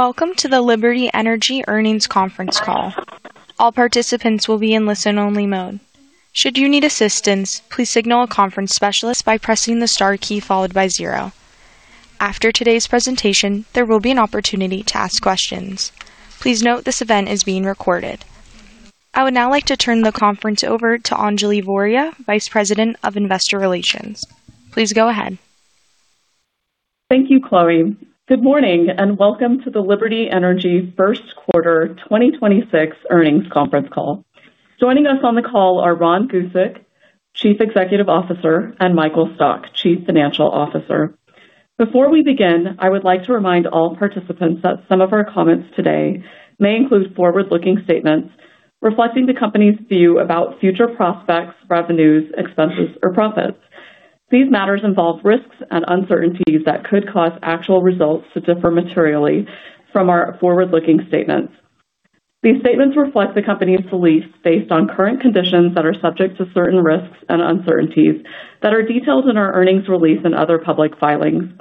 Welcome to the Liberty Energy Earnings conference call. All participants will be in listen-only mode. Should you need assistance, please signal a conference specialist by pressing the star key followed by zero. After today's presentation, there will be an opportunity to ask questions. Please note this event is being recorded. I would now like to turn the conference over to Anjali Voria, Vice President of Investor Relations. Please go ahead. Thank you, Chloe. Good morning and welcome to the Liberty Energy First Quarter 2026 Earnings Conference Call. Joining us on the call are Ron Gusek, Chief Executive Officer, and Michael Stock, Chief Financial Officer. Before we begin, I would like to remind all participants that some of our comments today may include forward-looking statements reflecting the company's view about future prospects, revenues, expenses, or profits. These matters involve risks and uncertainties that could cause actual results to differ materially from our forward-looking statements. These statements reflect the company's beliefs based on current conditions that are subject to certain risks and uncertainties that are detailed in our earnings release and other public filings.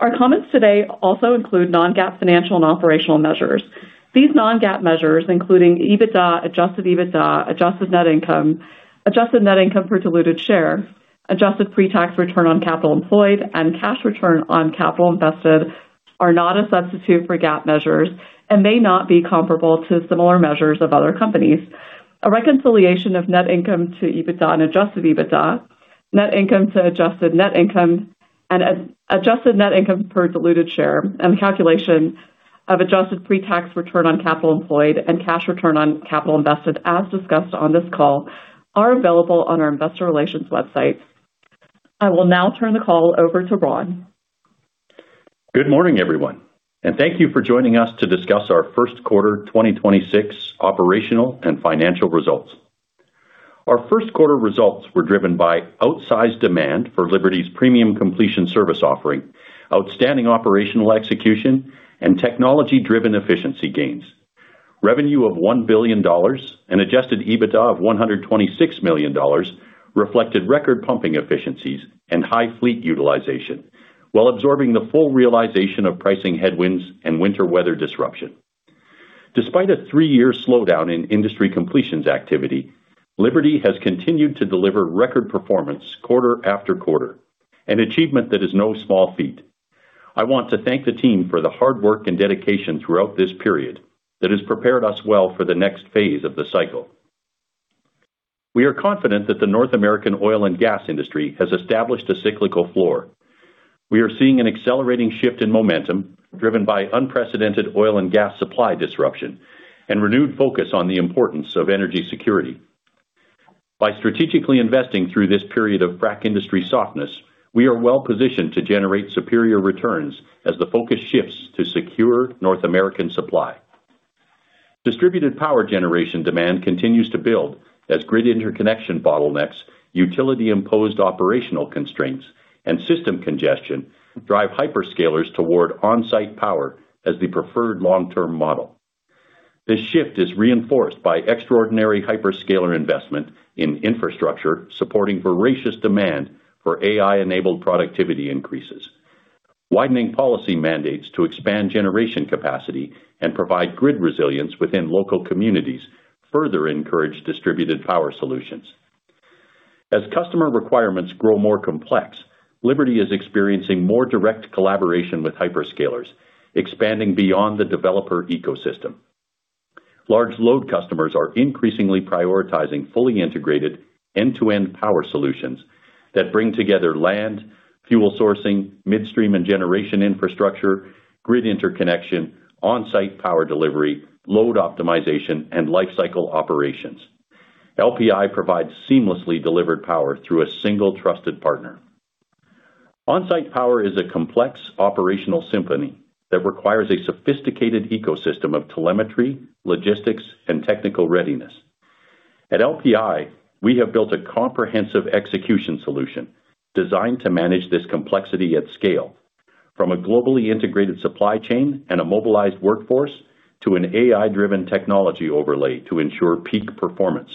Our comments today also include non-GAAP financial and operational measures. These non-GAAP measures, including EBITDA, adjusted EBITDA, adjusted net income, adjusted net income per diluted share, adjusted pre-tax return on capital employed, and cash return on capital invested, are not a substitute for GAAP measures and may not be comparable to similar measures of other companies. A reconciliation of net income to EBITDA and adjusted EBITDA, net income to adjusted net income, and adjusted net income per diluted share, and calculation of adjusted pre-tax return on capital employed and cash return on capital invested, as discussed on this call, are available on our investor relations website. I will now turn the call over to Ron. Good morning, everyone, and thank you for joining us to discuss our first quarter 2026 operational and financial results. Our first quarter results were driven by outsized demand for Liberty's premium completion service offering, outstanding operational execution, and technology-driven efficiency gains. Revenue of $1 billion and Adjusted EBITDA of $126 million reflected record pumping efficiencies and high fleet utilization while absorbing the full realization of pricing headwinds and winter weather disruption. Despite a three-year slowdown in industry completions activity, Liberty has continued to deliver record performance quarter after quarter, an achievement that is no small feat. I want to thank the team for the hard work and dedication throughout this period that has prepared us well for the next phase of the cycle. We are confident that the North American oil and gas industry has established a cyclical floor. We are seeing an accelerating shift in momentum, driven by unprecedented oil and gas supply disruption and renewed focus on the importance of energy security. By strategically investing through this period of frac industry softness, we are well positioned to generate superior returns as the focus shifts to secure North American supply. Distributed power generation demand continues to build as grid interconnection bottlenecks, utility-imposed operational constraints, and system congestion drive hyperscalers toward on-site power as the preferred long-term model. This shift is reinforced by extraordinary hyperscaler investment in infrastructure supporting voracious demand for AI-enabled productivity increases. Widening policy mandates to expand generation capacity and provide grid resilience within local communities further encourage distributed power solutions. As customer requirements grow more complex, Liberty is experiencing more direct collaboration with hyperscalers, expanding beyond the developer ecosystem. Large load customers are increasingly prioritizing fully integrated end-to-end power solutions that bring together land, fuel sourcing, midstream and generation infrastructure, grid interconnection, on-site power delivery, load optimization, and lifecycle operations. LPI provides seamlessly delivered power through a single trusted partner. On-site power is a complex operational symphony that requires a sophisticated ecosystem of telemetry, logistics, and technical readiness. At LPI, we have built a comprehensive execution solution designed to manage this complexity at scale from a globally integrated supply chain and a mobilized workforce to an AI-driven technology overlay to ensure peak performance.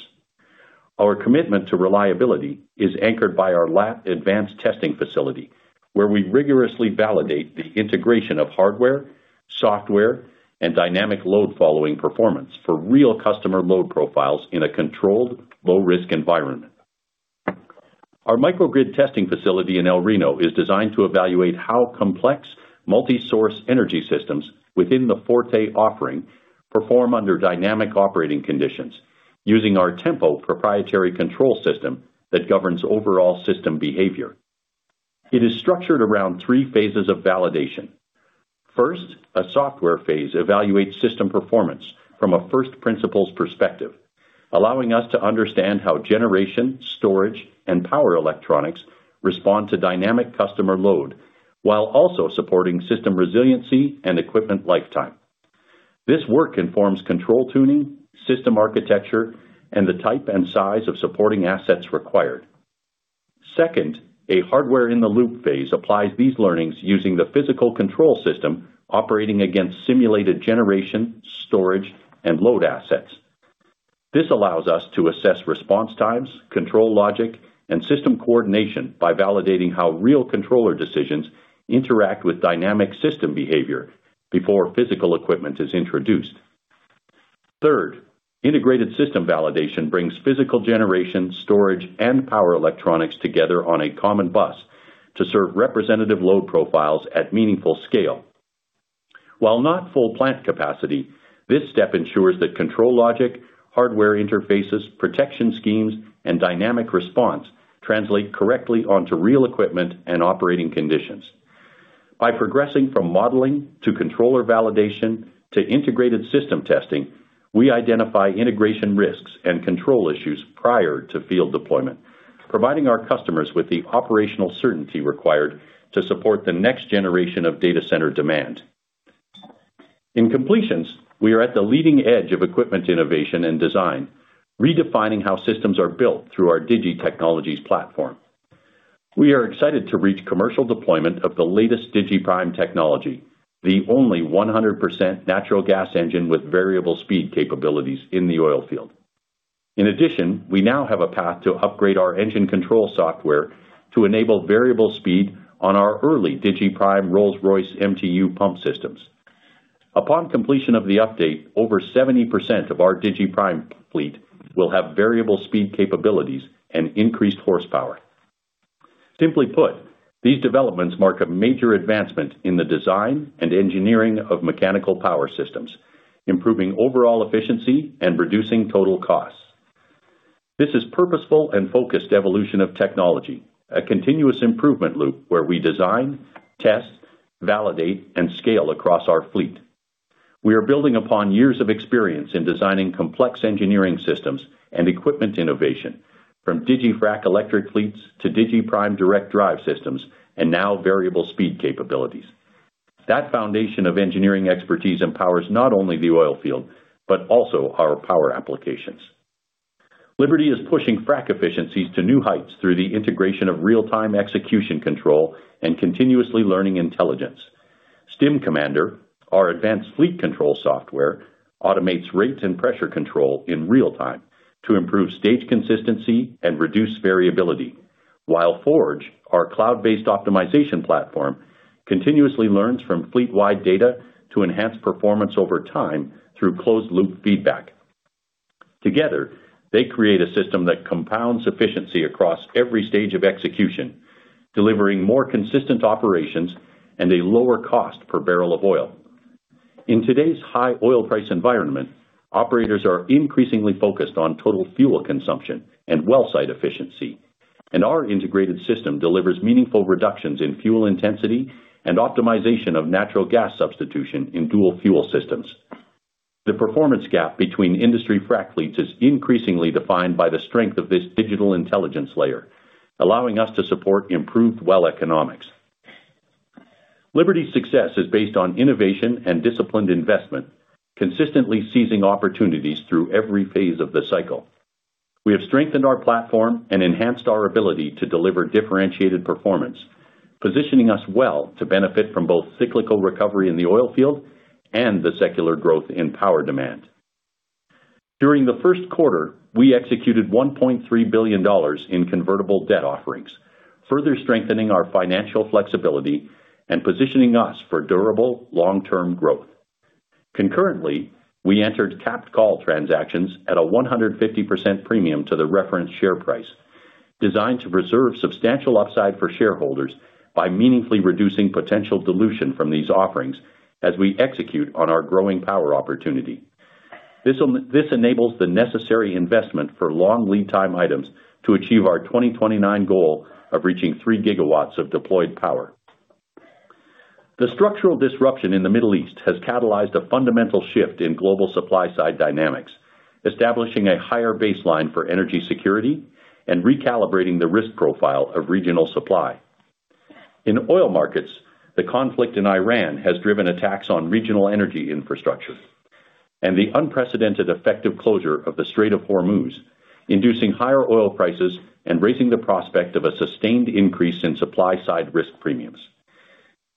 Our commitment to reliability is anchored by our LAET advanced testing facility, where we rigorously validate the integration of hardware, software, and dynamic load following performance for real customer load profiles in a controlled low-risk environment. Our microgrid testing facility in El Reno is designed to evaluate how complex multi-source energy systems within the Forte offering perform under dynamic operating conditions using our Tempo proprietary control system that governs overall system behavior. It is structured around three phases of validation. First, a software phase evaluates system performance from a first principles perspective, allowing us to understand how generation, storage, and power electronics respond to dynamic customer load while also supporting system resiliency and equipment lifetime. This work informs control tuning, system architecture, and the type and size of supporting assets required. Second, a hardware-in-the-loop phase applies these learnings using the physical control system operating against simulated generation, storage, and load assets. This allows us to assess response times, control logic, and system coordination by validating how real controller decisions interact with dynamic system behavior before physical equipment is introduced. Third, integrated system validation brings physical generation, storage, and power electronics together on a common bus to serve representative load profiles at meaningful scale. While not full plant capacity, this step ensures that control logic, hardware interfaces, protection schemes, and dynamic response translate correctly onto real equipment and operating conditions. By progressing from modeling to controller validation to integrated system testing, we identify integration risks and control issues prior to field deployment, providing our customers with the operational certainty required to support the next generation of data center demand. In completions, we are at the leading edge of equipment innovation and design, redefining how systems are built through our digiTechnologies platform. We are excited to reach commercial deployment of the latest digiPrime technology, the only 100% natural gas engine with variable speed capabilities in the oil field. In addition, we now have a path to upgrade our engine control software to enable variable speed on our early digiPrime Rolls-Royce MTU pump systems. Upon completion of the update, over 70% of our digiPrime fleet will have variable speed capabilities and increased horsepower. Simply put, these developments mark a major advancement in the design and engineering of mechanical power systems, improving overall efficiency and reducing total costs. This is purposeful and focused evolution of technology, a continuous improvement loop where we design, test, validate, and scale across our fleet. We are building upon years of experience in designing complex engineering systems and equipment innovation, from digiFrac electric fleets to digiPrime direct drive systems, and now variable speed capabilities. That foundation of engineering expertise empowers not only the oil field but also our power applications. Liberty is pushing frac efficiencies to new heights through the integration of real-time execution control and continuously learning intelligence. StimCommander, our advanced fleet control software, automates rates and pressure control in real time to improve stage consistency and reduce variability. While Forge, our cloud-based optimization platform, continuously learns from fleet-wide data to enhance performance over time through closed loop feedback. Together, they create a system that compounds efficiency across every stage of execution, delivering more consistent operations and a lower cost per barrel of oil. In today's high oil price environment, operators are increasingly focused on total fuel consumption and well site efficiency, and our integrated system delivers meaningful reductions in fuel intensity and optimization of natural gas substitution in dual fuel systems. The performance gap between industry frac fleets is increasingly defined by the strength of this digital intelligence layer, allowing us to support improved well economics. Liberty's success is based on innovation and disciplined investment, consistently seizing opportunities through every phase of the cycle. We have strengthened our platform and enhanced our ability to deliver differentiated performance, positioning us well to benefit from both cyclical recovery in the oil field and the secular growth in power demand. During the first quarter, we executed $1.3 billion in convertible debt offerings, further strengthening our financial flexibility and positioning us for durable long-term growth. Concurrently, we entered capped call transactions at a 150% premium to the reference share price, designed to preserve substantial upside for shareholders by meaningfully reducing potential dilution from these offerings as we execute on our growing power opportunity. This enables the necessary investment for long lead time items to achieve our 2029 goal of reaching three gigawatts of deployed power. The structural disruption in the Middle East has catalyzed a fundamental shift in global supply side dynamics, establishing a higher baseline for energy security and recalibrating the risk profile of regional supply. In oil markets, the conflict in Iran has driven attacks on regional energy infrastructure, and the unprecedented effective closure of the Strait of Hormuz, inducing higher oil prices and raising the prospect of a sustained increase in supply-side risk premiums.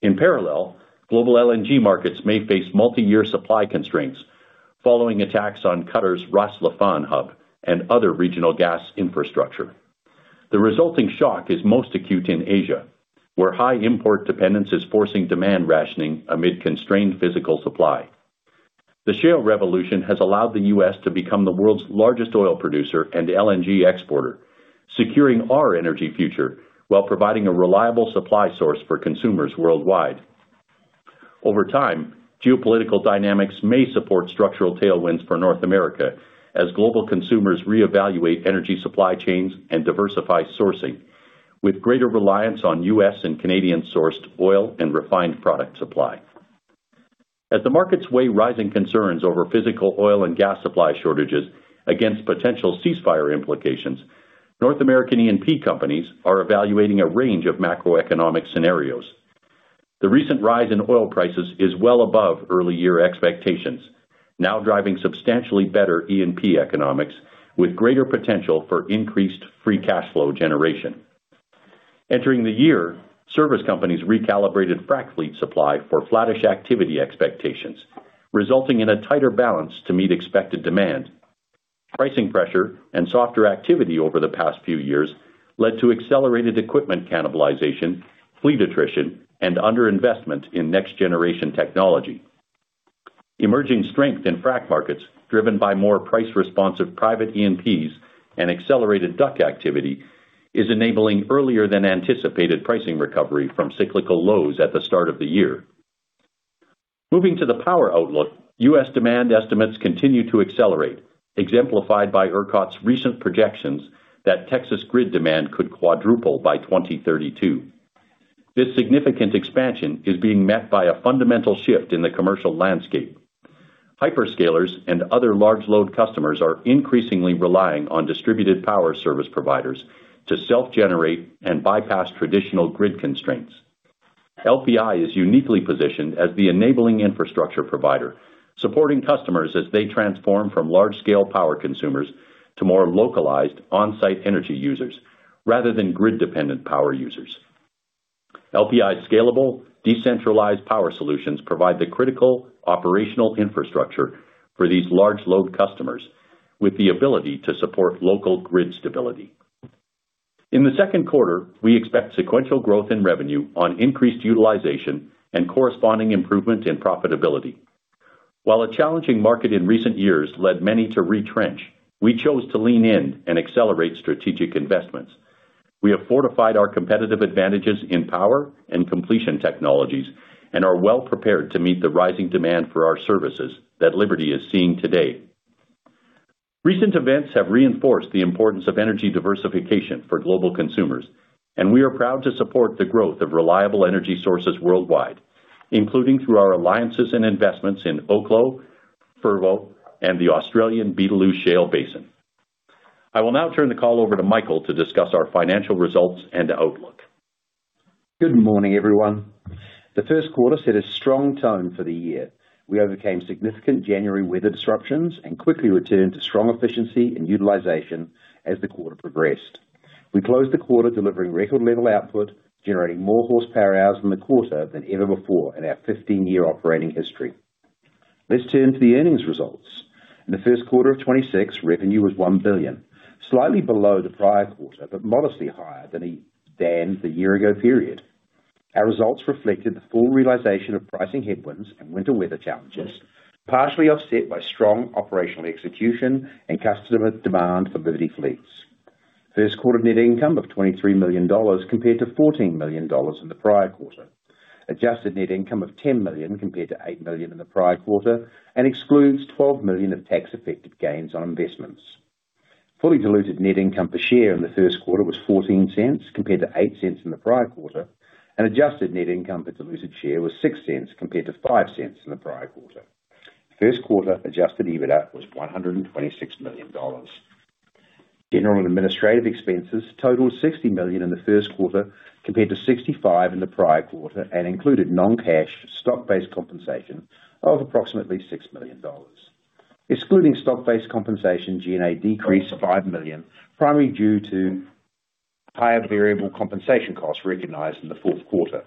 In parallel, global LNG markets may face multi-year supply constraints following attacks on Qatar's Ras Laffan hub and other regional gas infrastructure. The resulting shock is most acute in Asia, where high import dependence is forcing demand rationing amid constrained physical supply. The shale revolution has allowed the U.S. to become the world's largest oil producer and LNG exporter, securing our energy future while providing a reliable supply source for consumers worldwide. Over time, geopolitical dynamics may support structural tailwinds for North America as global consumers reevaluate energy supply chains and diversify sourcing with greater reliance on U.S. and Canadian-sourced oil and refined product supply. As the markets weigh rising concerns over physical oil and gas supply shortages against potential ceasefire implications, North American E&P companies are evaluating a range of macroeconomic scenarios. The recent rise in oil prices is well above early year expectations, now driving substantially better E&P economics with greater potential for increased free cash flow generation. Entering the year, service companies recalibrated frac fleet supply for flattish activity expectations, resulting in a tighter balance to meet expected demand. Pricing pressure and softer activity over the past few years led to accelerated equipment cannibalization, fleet attrition, and under-investment in next-generation technology. Emerging strength in frac markets, driven by more price-responsive private E&Ps and accelerated DUC activity, is enabling earlier than anticipated pricing recovery from cyclical lows at the start of the year. Moving to the power outlook, U.S. demand estimates continue to accelerate, exemplified by ERCOT's recent projections that Texas grid demand could quadruple by 2032. This significant expansion is being met by a fundamental shift in the commercial landscape. Hyperscalers and other large load customers are increasingly relying on distributed power service providers to self-generate and bypass traditional grid constraints. LPI is uniquely positioned as the enabling infrastructure provider, supporting customers as they transform from large-scale power consumers to more localized on-site energy users rather than grid-dependent power users. LPI's scalable, decentralized power solutions provide the critical operational infrastructure for these large load customers with the ability to support local grid stability. In the second quarter, we expect sequential growth in revenue on increased utilization and corresponding improvement in profitability. While a challenging market in recent years led many to retrench, we chose to lean in and accelerate strategic investments. We have fortified our competitive advantages in power and completion technologies and are well prepared to meet the rising demand for our services that Liberty is seeing today. Recent events have reinforced the importance of energy diversification for global consumers, and we are proud to support the growth of reliable energy sources worldwide, including through our alliances and investments in Oklo, Fervo and the Australian Beetaloo Shale Basin. I will now turn the call over to Michael to discuss our financial results and outlook. Good morning, everyone. The first quarter set a strong tone for the year. We overcame significant January weather disruptions and quickly returned to strong efficiency and utilization as the quarter progressed. We closed the quarter delivering record level output, generating more horsepower hours in the quarter than ever before in our 15-year operating history. Let's turn to the earnings results. In the first quarter of 2026, revenue was $1 billion, slightly below the prior quarter, but modestly higher than the year ago period. Our results reflected the full realization of pricing headwinds and winter weather challenges, partially offset by strong operational execution and customer demand for Liberty fleets. First quarter Net Income of $23 million, compared to $14 million in the prior quarter. Adjusted Net Income of $10 million, compared to $8 million in the prior quarter, and excludes $12 million of tax-affected gains on investments. Fully diluted net income per share in the first quarter was $0.14, compared to $0.08 in the prior quarter, and adjusted net income per diluted share was $0.06, compared to $0.05 in the prior quarter. First quarter Adjusted EBITDA was $126 million. General and administrative expenses totaled $60 million in the first quarter, compared to $65 million in the prior quarter, and included non-cash stock-based compensation of approximately $6 million. Excluding stock-based compensation, G&A decreased to $54 million, primarily due to higher variable compensation costs recognized in the fourth quarter.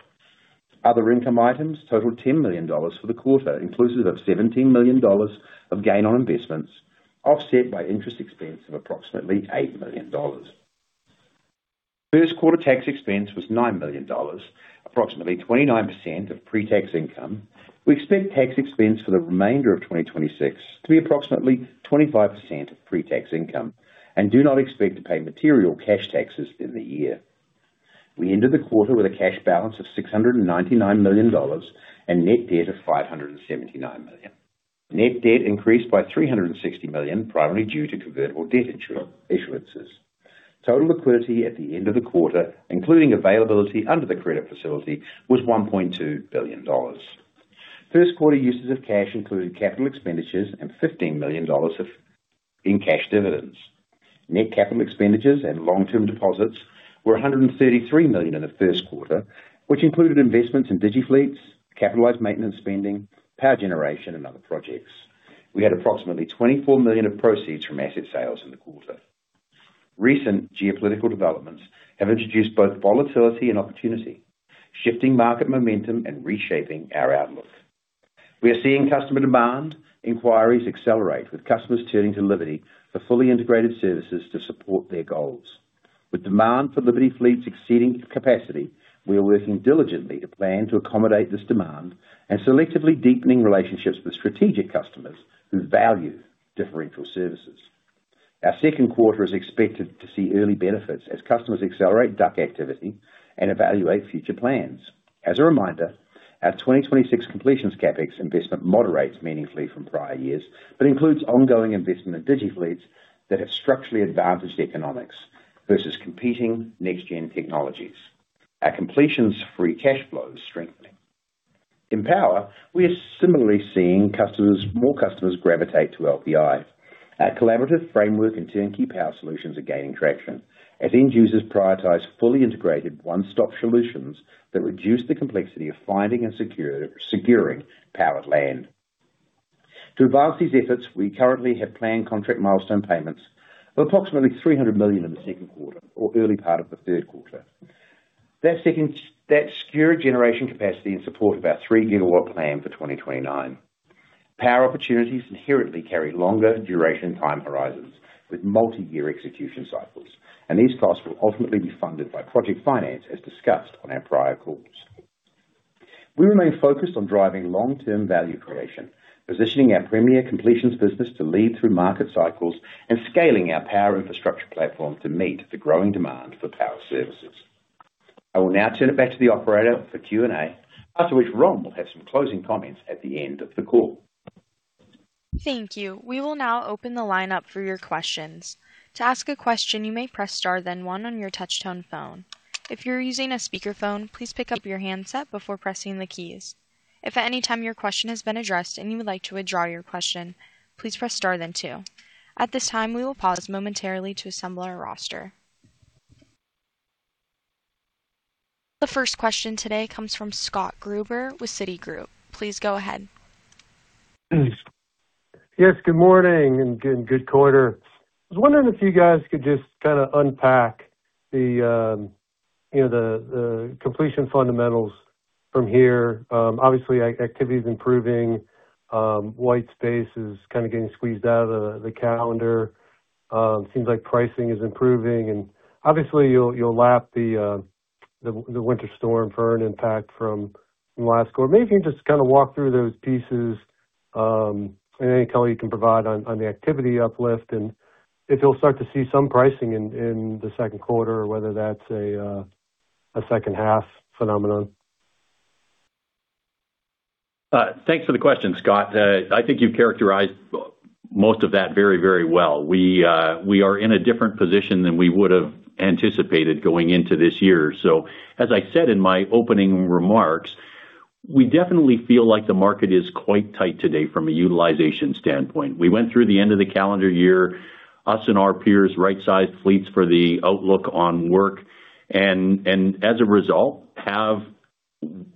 Other income items totaled $10 million for the quarter, inclusive of $17 million of gain on investments, offset by interest expense of approximately $8 million. First quarter tax expense was $9 million, approximately 29% of pre-tax income. We expect tax expense for the remainder of 2026 to be approximately 25% of pre-tax income and do not expect to pay material cash taxes in the year. We ended the quarter with a cash balance of $699 million and net debt of $579 million. Net debt increased by $360 million, primarily due to convertible debt issuances. Total liquidity at the end of the quarter, including availability under the credit facility, was $1.2 billion. First quarter uses of cash included capital expenditures and $15 million in cash dividends. Net capital expenditures and long-term deposits were $133 million in the first quarter, which included investments in DigiFleets, capitalized maintenance spending, power generation, and other projects. We had approximately $24 million of proceeds from asset sales in the quarter. Recent geopolitical developments have introduced both volatility and opportunity, shifting market momentum and reshaping our outlook. We are seeing customer demand inquiries accelerate, with customers turning to Liberty for fully integrated services to support their goals. With demand for Liberty fleets exceeding capacity, we are working diligently to plan to accommodate this demand and selectively deepening relationships with strategic customers who value differential services. Our second quarter is expected to see early benefits as customers accelerate DUC activity and evaluate future plans. As a reminder, our 2026 completions CapEx investment moderates meaningfully from prior years, but includes ongoing investment in DigiFleets that have structurally advantaged economics versus competing next-gen technologies. Our completions free cash flow is strengthening. In power, we are similarly seeing more customers gravitate to LPI. Our collaborative framework and turnkey power solutions are gaining traction as end users prioritize fully integrated one-stop solutions that reduce the complexity of finding and securing power at land. To advance these efforts, we currently have planned contract milestone payments of approximately $300 million in the second quarter or early part of the third quarter. That secure generation capacity in support of our 3 GW plan for 2029. Power opportunities inherently carry longer duration time horizons with multi-year execution cycles, and these costs will ultimately be funded by project finance, as discussed on our prior calls. We remain focused on driving long-term value creation, positioning our premier completions business to lead through market cycles and scaling our power infrastructure platform to meet the growing demand for power services. I will now turn it back to the operator for Q&A, after which Ron will have some closing comments at the end of the call. Thank you. We will now open the lines up for your questions. To ask a question, you may press star then one on your touch tone phone. If you're using a speakerphone, please pick up your handset before pressing the keys. If at any time your question has been addressed and you would like to withdraw your question, please press star then two. At this time, we will pause momentarily to assemble our roster. The first question today comes from Scott Gruber with Citigroup. Please go ahead. Yes, good morning and good quarter. I was wondering if you guys could just unpack the completion fundamentals from here. Obviously, activity is improving. White space is kind of getting squeezed out of the calendar. Seems like pricing is improving. Obviously you'll lap the winter storm earn impact from last quarter. Maybe you can just walk through those pieces, and any color you can provide on the activity uplift, and if you'll start to see some pricing in the second quarter or whether that's a second half phenomenon. Thanks for the question, Scott. I think you've characterized most of that very well. We are in a different position than we would have anticipated going into this year. As I said in my opening remarks, we definitely feel like the market is quite tight today from a utilization standpoint. We went through the end of the calendar year, us and our peers, right-sized fleets for the outlook on work and as a result, have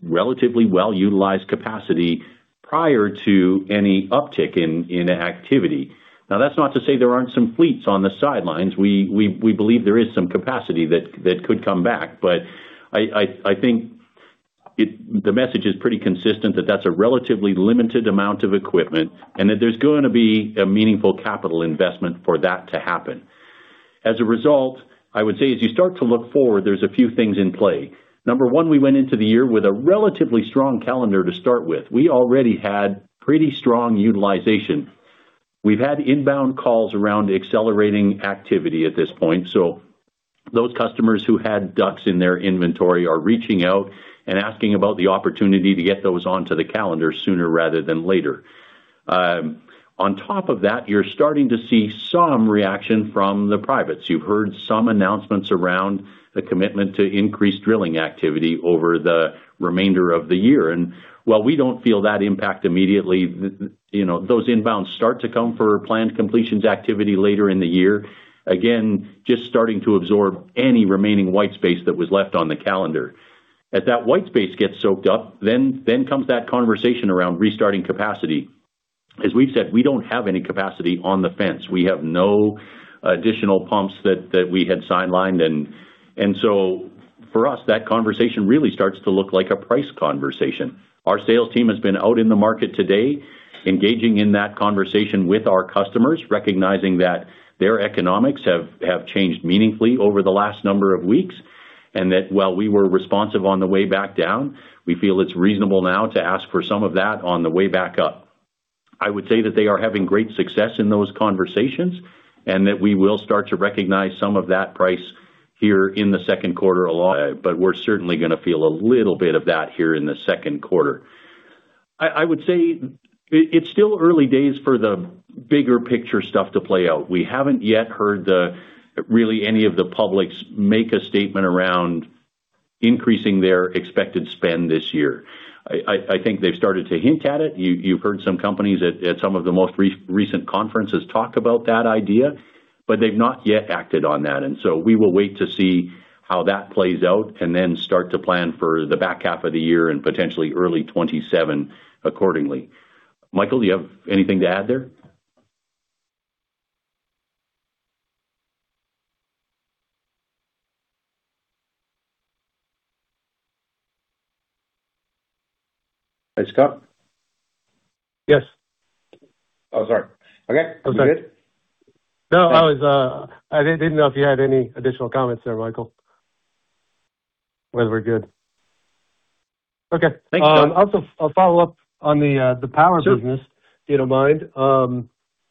relatively well-utilized capacity prior to any uptick in activity. Now, that's not to say there aren't some fleets on the sidelines. We believe there is some capacity that could come back. I think the message is pretty consistent, that that's a relatively limited amount of equipment and that there's going to be a meaningful capital investment for that to happen. As a result, I would say, as you start to look forward, there's a few things in play. Number one, we went into the year with a relatively strong calendar to start with. We already had pretty strong utilization. We've had inbound calls around accelerating activity at this point. Those customers who had DUCs in their inventory are reaching out and asking about the opportunity to get those onto the calendar sooner rather than later. On top of that, you're starting to see some reaction from the privates. You've heard some announcements around the commitment to increased drilling activity over the remainder of the year. While we don't feel that impact immediately, those inbounds start to come for planned completions activity later in the year. Again, just starting to absorb any remaining white space that was left on the calendar. As that white space gets soaked up, then comes that conversation around restarting capacity. As we've said, we don't have any capacity on the fence. We have no additional pumps that we had sidelined. For us, that conversation really starts to look like a price conversation. Our sales team has been out in the market today, engaging in that conversation with our customers, recognizing that their economics have changed meaningfully over the last number of weeks, and that while we were responsive on the way back down, we feel it's reasonable now to ask for some of that on the way back up. I would say that they are having great success in those conversations and that we will start to recognize some of that price here in the second quarter a lot, but we're certainly going to feel a little bit of that here in the second quarter. I would say it's still early days for the bigger picture stuff to play out. We haven't yet heard really any of the publics make a statement around increasing their expected spend this year. I think they've started to hint at it. You've heard some companies at some of the most recent conferences talk about that idea, but they've not yet acted on that. We will wait to see how that plays out and then start to plan for the back half of the year and potentially early 2027 accordingly. Michael, do you have anything to add there? Hey, Scott? Yes. Oh, sorry. Okay. That's all right. You good? No. I didn't know if you had any additional comments there, Michael. Well, we're good. Okay. Thanks, Scott. Also, I'll follow up on the power business. Sure. If you don't mind.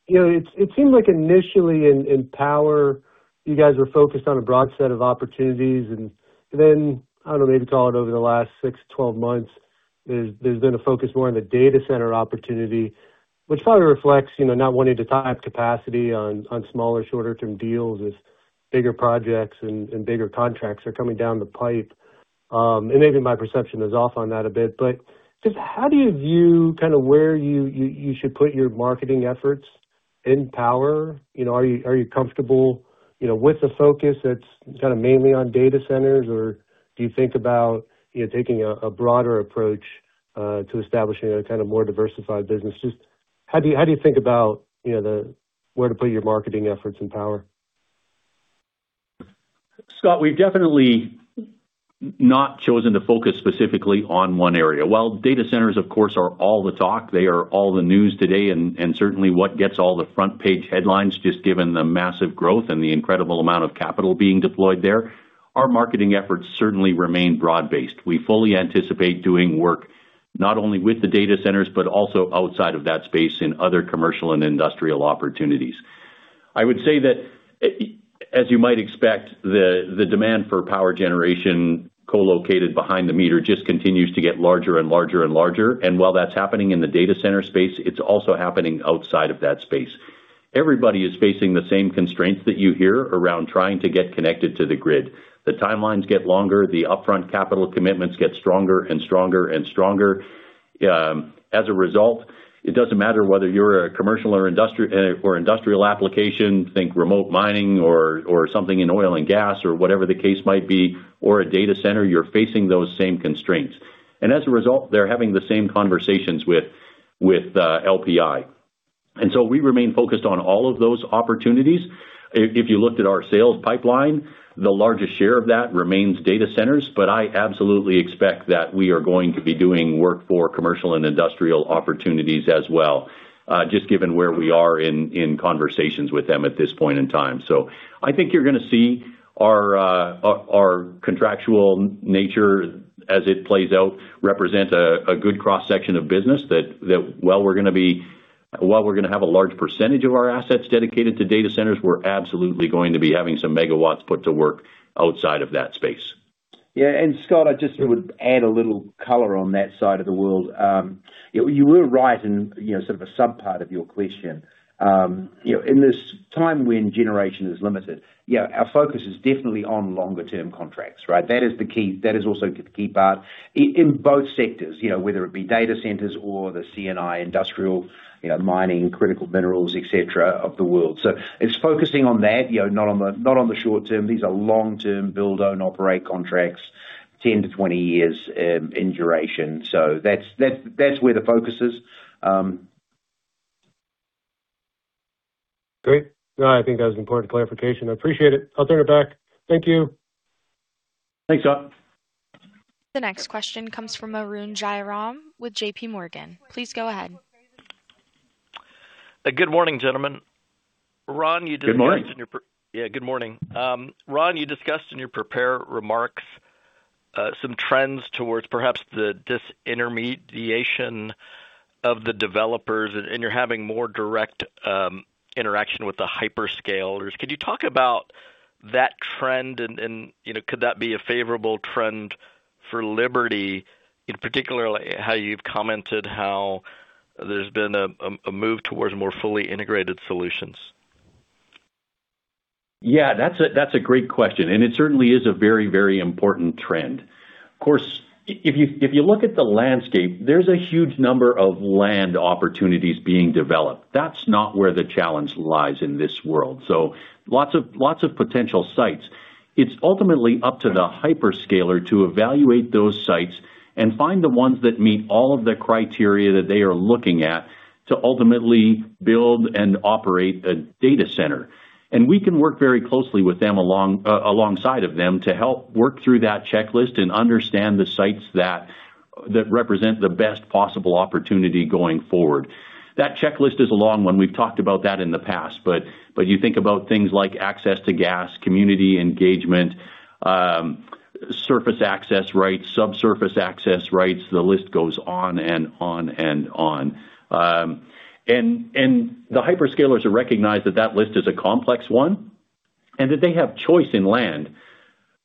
It seems like initially in power, you guys were focused on a broad set of opportunities, and then, I don't know, maybe call it over the last 6-12 months, there's been a focus more on the data center opportunity, which probably reflects not wanting to tie up capacity on smaller, shorter term deals as bigger projects and bigger contracts are coming down the pipe. Maybe my perception is off on that a bit, but just how do you view where you should put your marketing efforts? In power, are you comfortable with the focus that's kind of mainly on data centers, or do you think about taking a broader approach to establishing a kind of more diversified business? Just how do you think about where to put your marketing efforts in power? Scott, we've definitely not chosen to focus specifically on one area. While data centers, of course, are all the talk, they are all the news today, and certainly what gets all the front page headlines just given the massive growth and the incredible amount of capital being deployed there. Our marketing efforts certainly remain broad-based. We fully anticipate doing work not only with the data centers, but also outside of that space in other commercial and industrial opportunities. I would say that, as you might expect, the demand for power generation co-located behind the meter just continues to get larger and larger and larger, and while that's happening in the data center space, it's also happening outside of that space. Everybody is facing the same constraints that you hear around trying to get connected to the grid. The timelines get longer, the upfront capital commitments get stronger and stronger and stronger. As a result, it doesn't matter whether you're a commercial or industrial application, think remote mining or something in oil and gas or whatever the case might be, or a data center, you're facing those same constraints. As a result, they're having the same conversations with LPI. We remain focused on all of those opportunities. If you looked at our sales pipeline, the largest share of that remains data centers, but I absolutely expect that we are going to be doing work for commercial and industrial opportunities as well, just given where we are in conversations with them at this point in time. I think you're going to see our contractual nature as it plays out, represent a good cross-section of business that while we're going to have a large percentage of our assets dedicated to data centers, we're absolutely going to be having some megawatts put to work outside of that space. Yeah. Scott, I just would add a little color on that side of the world. You were right in sort of a sub-part of your question. In this time when generation is limited, our focus is definitely on longer term contracts, right? That is also the key part in both sectors, whether it be data centers or the C&I industrial, mining, critical minerals, et cetera, of the world. It's focusing on that, not on the short-term. These are long-term build-own-operate contracts, 10-20 years in duration. That's where the focus is. Great. No, I think that was an important clarification. I appreciate it. I'll turn it back. Thank you. Thanks, Scott. The next question comes from Arun Jayaram with JPMorgan. Please go ahead. Good morning, gentlemen. Good morning. Yeah, good morning. Ron, you discussed in your prepared remarks some trends towards perhaps the disintermediation of the developers, and you're having more direct interaction with the hyperscalers. Could you talk about that trend and could that be a favorable trend for Liberty, in particular, how you've commented how there's been a move towards more fully integrated solutions? Yeah, that's a great question, and it certainly is a very, very important trend. Of course, if you look at the landscape, there's a huge number of land opportunities being developed. That's not where the challenge lies in this world. Lots of potential sites. It's ultimately up to the hyperscaler to evaluate those sites and find the ones that meet all of the criteria that they are looking at to ultimately build and operate a data center. We can work very closely with them alongside of them to help work through that checklist and understand the sites that represent the best possible opportunity going forward. That checklist is a long one. We've talked about that in the past. You think about things like access to gas, community engagement, surface access rights, subsurface access rights, the list goes on and on and on. The hyperscalers have recognized that list is a complex one, and that they have choice in land.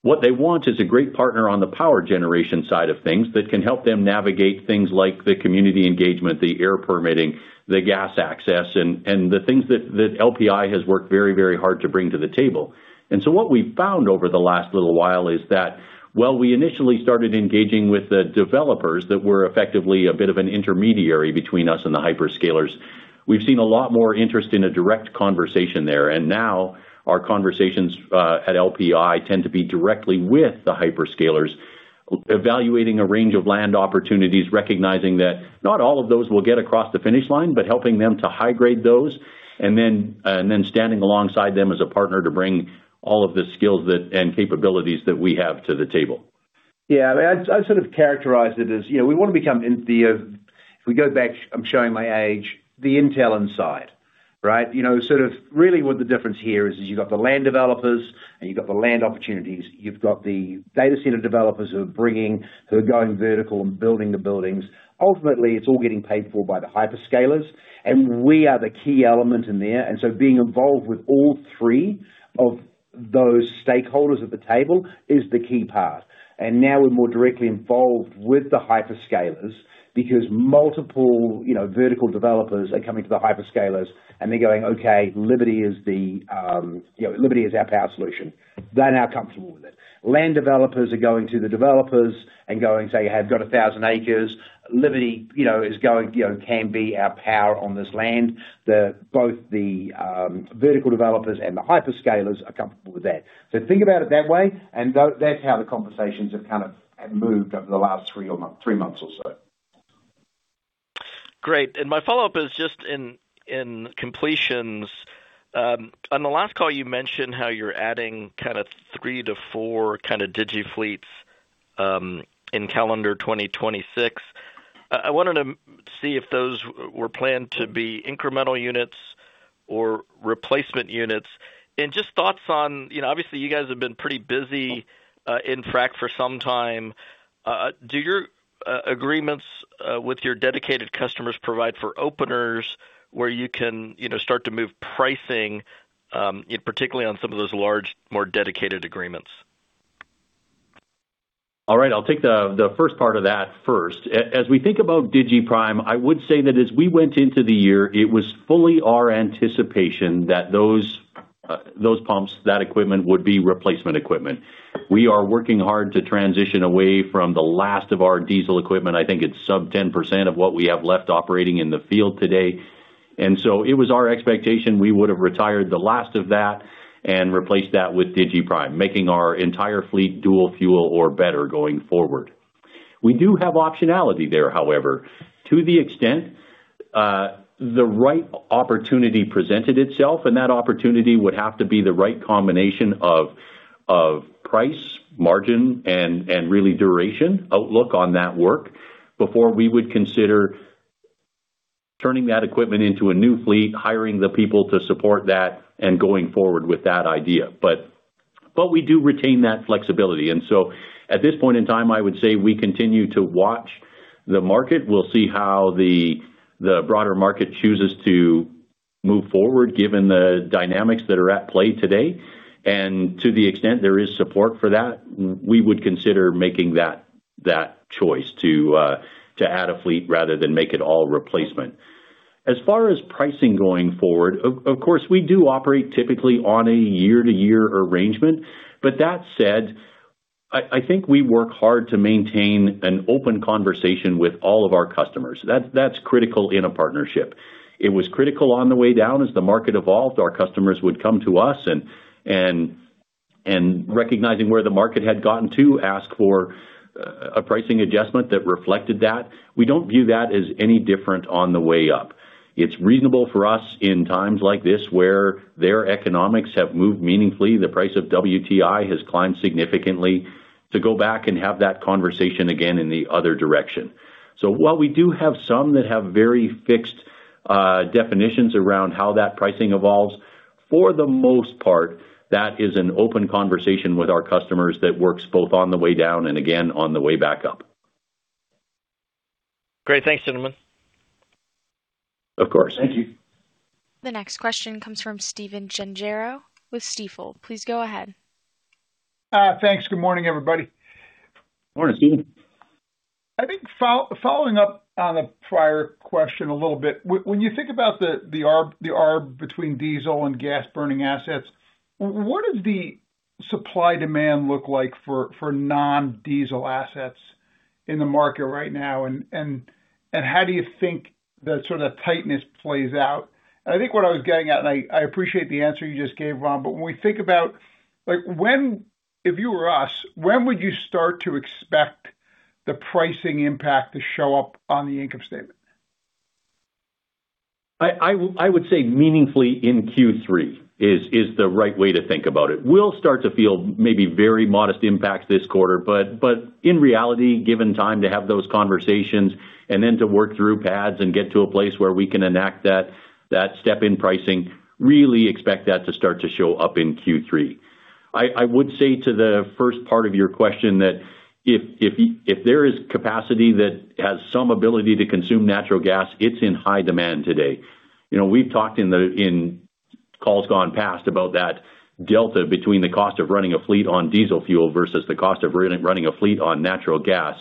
What they want is a great partner on the power generation side of things that can help them navigate things like the community engagement, the air permitting, the gas access, and the things that LPI has worked very, very hard to bring to the table. What we've found over the last little while is that, while we initially started engaging with the developers that were effectively a bit of an intermediary between us and the hyperscalers, we've seen a lot more interest in a direct conversation there. Now our conversations at LPI tend to be directly with the hyperscalers, evaluating a range of land opportunities, recognizing that not all of those will get across the finish line, but helping them to high grade those, and then standing alongside them as a partner to bring all of the skills and capabilities that we have to the table. Yeah. I'd sort of characterize it as, we want to become the. If we go back, I'm showing my age, the Intel inside, right? Sort of really what the difference here is you've got the land developers and you've got the land opportunities. You've got the data center developers who are bringing, who are going vertical and building the buildings. Ultimately, it's all getting paid for by the hyperscalers, and we are the key element in there. Being involved with all three of those stakeholders at the table is the key part. Now we're more directly involved with the hyperscalers because multiple vertical developers are coming to the hyperscalers and they're going, "Okay, Liberty is our power solution." They're now comfortable with that. Land developers are going to the developers and going, "Say, I have got 1,000 acres. Liberty can be our power on this land." Both the vertical developers and the hyperscalers are comfortable with that. Think about it that way, and that's how the conversations have moved over the last three months or so. Great. My follow-up is just in completions. On the last call you mentioned how you're adding 3-4 digiTechnologies fleets in calendar 2026. I wanted to see if those were planned to be incremental units or replacement units. Just thoughts on, obviously you guys have been pretty busy in frac for some time. Do your agreements with your dedicated customers provide for openers where you can start to move pricing, particularly on some of those large, more dedicated agreements? All right. I'll take the first part of that first. As we think about digiPrime, I would say that as we went into the year, it was fully our anticipation that those pumps, that equipment, would be replacement equipment. We are working hard to transition away from the last of our diesel equipment. I think it's sub 10% of what we have left operating in the field today. It was our expectation we would have retired the last of that and replaced that with digiPrime, making our entire fleet dual fuel or better going forward. We do have optionality there, however, to the extent the right opportunity presented itself, and that opportunity would have to be the right combination of price, margin, and really duration outlook on that work before we would consider turning that equipment into a new fleet, hiring the people to support that, and going forward with that idea. We do retain that flexibility. At this point in time, I would say we continue to watch the market. We'll see how the broader market chooses to move forward given the dynamics that are at play today. To the extent there is support for that, we would consider making that choice to add a fleet rather than make it all replacement. As far as pricing going forward, of course, we do operate typically on a year-to-year arrangement. That said, I think we work hard to maintain an open conversation with all of our customers. That's critical in a partnership. It was critical on the way down as the market evolved. Our customers would come to us, and recognizing where the market had gotten to, ask for a pricing adjustment that reflected that. We don't view that as any different on the way up. It's reasonable for us in times like this where their economics have moved meaningfully, the price of WTI has climbed significantly, to go back and have that conversation again in the other direction. While we do have some that have very fixed definitions around how that pricing evolves, for the most part, that is an open conversation with our customers that works both on the way down and again on the way back up. Great. Thanks, gentlemen. Of course. Thank you. The next question comes from Stephen Gengaro with Stifel. Please go ahead. Thanks. Good morning, everybody. Morning, Stephen. I think following up on the prior question a little bit, when you think about the arb between diesel and gas burning assets, what does the supply-demand look like for non-diesel assets in the market right now? How do you think the sort of tightness plays out? I think what I was getting at, and I appreciate the answer you just gave, Ron, but when we think about, if you were us, when would you start to expect the pricing impact to show up on the income statement? I would say meaningfully in Q3 is the right way to think about it. We'll start to feel maybe very modest impacts this quarter, but in reality, given time to have those conversations and then to work through pads and get to a place where we can enact that step in pricing, really expect that to start to show up in Q3. I would say to the first part of your question that if there is capacity that has some ability to consume natural gas, it's in high demand today. We've talked in calls gone past about that delta between the cost of running a fleet on diesel fuel versus the cost of running a fleet on natural gas.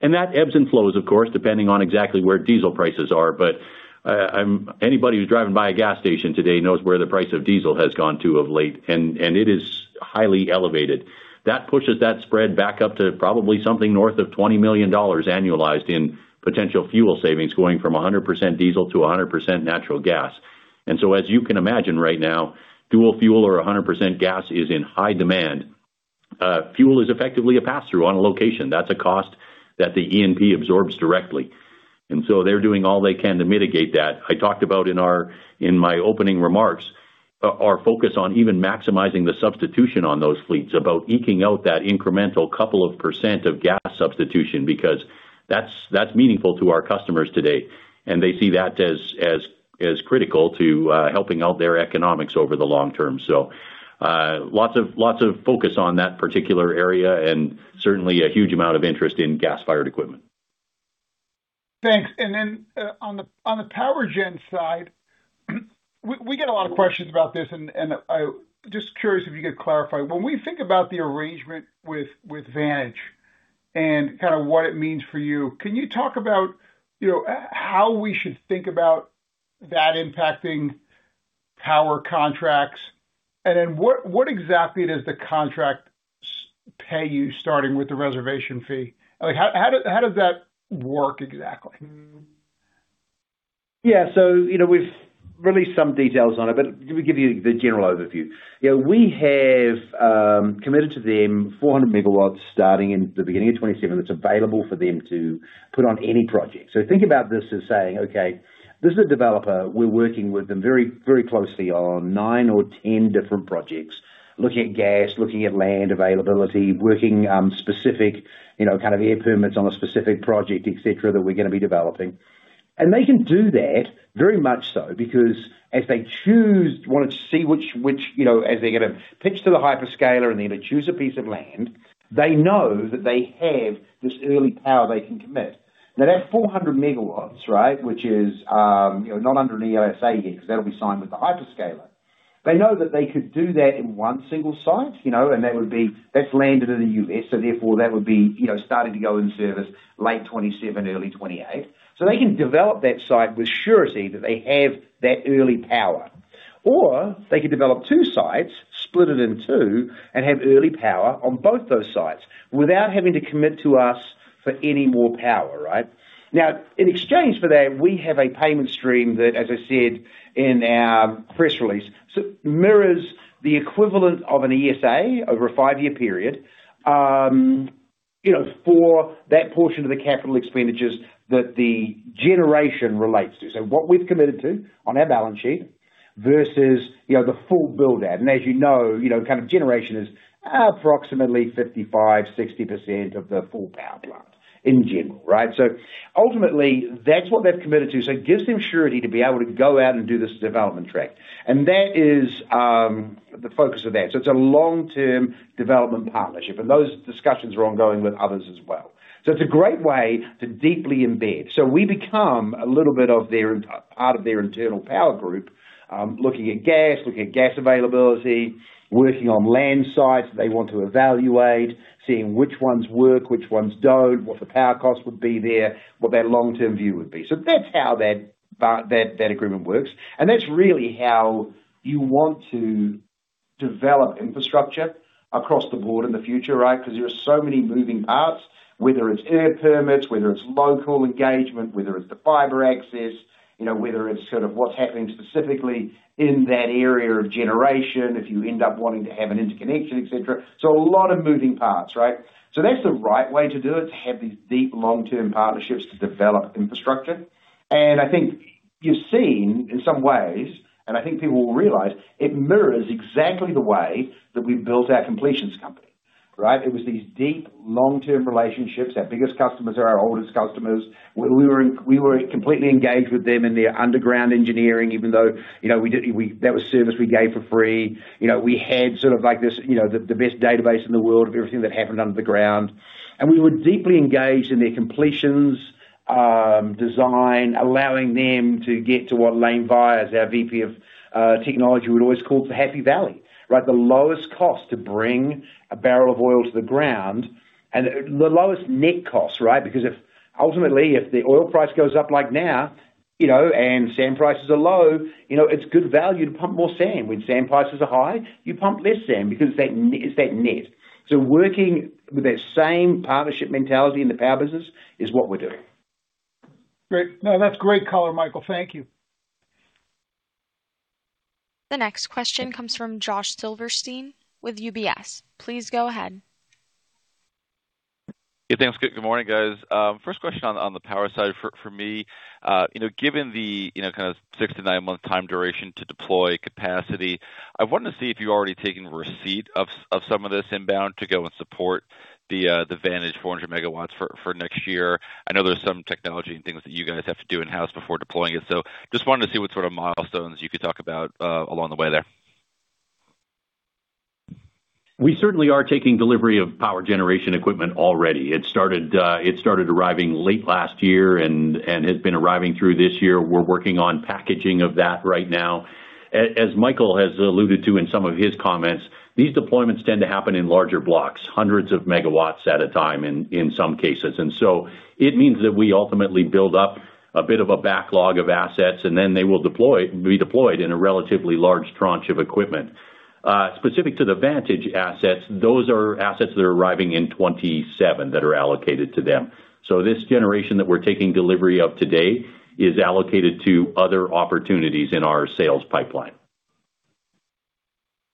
That ebbs and flows, of course, depending on exactly where diesel prices are. Anybody who's driving by a gas station today knows where the price of diesel has gone to of late, and it is highly elevated. That pushes that spread back up to probably something north of $20 million annualized in potential fuel savings, going from 100% diesel to 100% natural gas. As you can imagine right now, dual fuel or 100% gas is in high demand. Fuel is effectively a pass-through on a location. That's a cost that the E&P absorbs directly, and so they're doing all they can to mitigate that. I talked about in my opening remarks, our focus on even maximizing the substitution on those fleets, about eking out that incremental couple of % of gas substitution, because that's meaningful to our customers today, and they see that as critical to helping out their economics over the long term. Lots of focus on that particular area and certainly a huge amount of interest in gas-fired equipment. Thanks. On the power gen side, we get a lot of questions about this, and I'm just curious if you could clarify. When we think about the arrangement with Vantage and kind of what it means for you, can you talk about how we should think about that impacting Power contracts. What exactly does the contract pay you, starting with the reservation fee? How does that work exactly? Yeah. We've released some details on it, but let me give you the general overview. We have committed to them 400 MW starting in the beginning of 2027 that's available for them to put on any project. Think about this as saying, okay, this is a developer. We're working with them very closely on 9 or 10 different projects, looking at gas, looking at land availability, working specific air permits on a specific project, et cetera, that we're going to be developing. They can do that very much so because as they choose, want to see which, as they're going to pitch to the hyperscaler and they're going to choose a piece of land, they know that they have this early power they can commit. Now, that 400 MW, which is not under an ESA yet, because that'll be signed with the hyperscaler. They know that they could do that in one single site, and that's landed in the U.S., so therefore that would be starting to go in service late 2027, early 2028. They can develop that site with surety that they have that early power. They could develop two sites, split it in two, and have early power on both those sites without having to commit to us for any more power, right? Now, in exchange for that, we have a payment stream that, as I said in our press release, mirrors the equivalent of an ESA over a five-year period for that portion of the capital expenditures that the generation relates to. What we've committed to on our balance sheet versus the full build-out. As you know, generation is approximately 55%-60% of the full power plant in general, right? Ultimately that's what they've committed to. It gives them surety to be able to go out and do this development track. That is the focus of that. It's a long-term development partnership, and those discussions are ongoing with others as well. It's a great way to deeply embed. We become a little bit of part of their internal power group, looking at gas, looking at gas availability, working on land sites they want to evaluate, seeing which ones work, which ones don't, what the power cost would be there, what their long-term view would be. That's how that agreement works. That's really how you want to develop infrastructure across the board in the future, right? Because there are so many moving parts, whether it's air permits, whether it's local engagement, whether it's the fiber access, whether it's sort of what's happening specifically in that area of generation, if you end up wanting to have an interconnection, et cetera. A lot of moving parts, right? That's the right way to do it, to have these deep long-term partnerships to develop infrastructure. I think you've seen in some ways, and I think people will realize it mirrors exactly the way that we built our completions company, right? It was these deep long-term relationships. Our biggest customers are our oldest customers. We were completely engaged with them in their underground engineering, even though that was service we gave for free. We had sort of the best database in the world of everything that happened under the ground. We were deeply engaged in their completions, design, allowing them to get to what Leen Weijers, our VP of technology, would always call the Happy Valley, right? The lowest cost to bring a barrel of oil to the ground and the lowest net cost, right? Because ultimately, if the oil price goes up like now, and sand prices are low, it's good value to pump more sand. When sand prices are high, you pump less sand because it's that net. Working with that same partnership mentality in the power business is what we're doing. Great. No, that's great color, Michael. Thank you. The next question comes from Josh Silverstein with UBS. Please go ahead. Yeah, thanks. Good morning, guys. First question on the power side for me. Given the kind of 6- to 9-month time duration to deploy capacity, I wanted to see if you're already taking receipt of some of this inbound to go and support the Vantage 400 MW for next year. I know there's some technology and things that you guys have to do in-house before deploying it. Just wanted to see what sort of milestones you could talk about along the way there. We certainly are taking delivery of power generation equipment already. It started arriving late last year and has been arriving through this year. We're working on packaging of that right now. As Michael has alluded to in some of his comments, these deployments tend to happen in larger blocks, hundreds of megawatts at a time in some cases. It means that we ultimately build up a bit of a backlog of assets, and then they will be deployed in a relatively large tranche of equipment. Specific to the Vantage assets, those are assets that are arriving in 2027 that are allocated to them. This generation that we're taking delivery of today is allocated to other opportunities in our sales pipeline.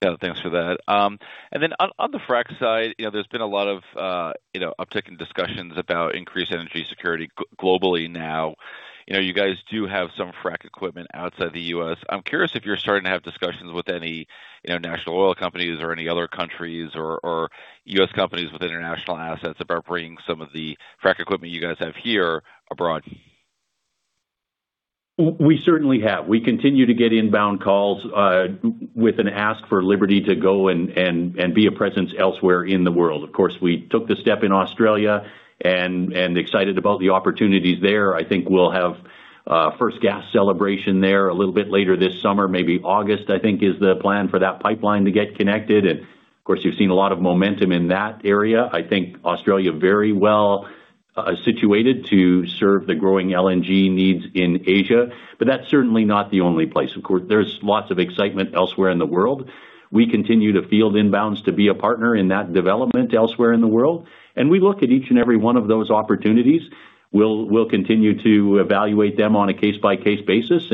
Yeah, thanks for that. On the frac side, there's been a lot of uptick in discussions about increased energy security globally now. You guys do have some frac equipment outside the U.S. I'm curious if you're starting to have discussions with any international oil companies or any other countries or U.S. companies with international assets about bringing some of the frac equipment you guys have here abroad? We certainly have. We continue to get inbound calls with an ask for Liberty to go and be a presence elsewhere in the world. Of course, we took the step in Australia and we're excited about the opportunities there. I think we'll have a first gas celebration there a little bit later this summer. Maybe August, I think, is the plan for that pipeline to get connected. Of course, you've seen a lot of momentum in that area. I think Australia is very well situated to serve the growing LNG needs in Asia, but that's certainly not the only place. Of course, there's lots of excitement elsewhere in the world. We continue to field inbounds to be a partner in that development elsewhere in the world, and we look at each and every one of those opportunities. We'll continue to evaluate them on a case-by-case basis.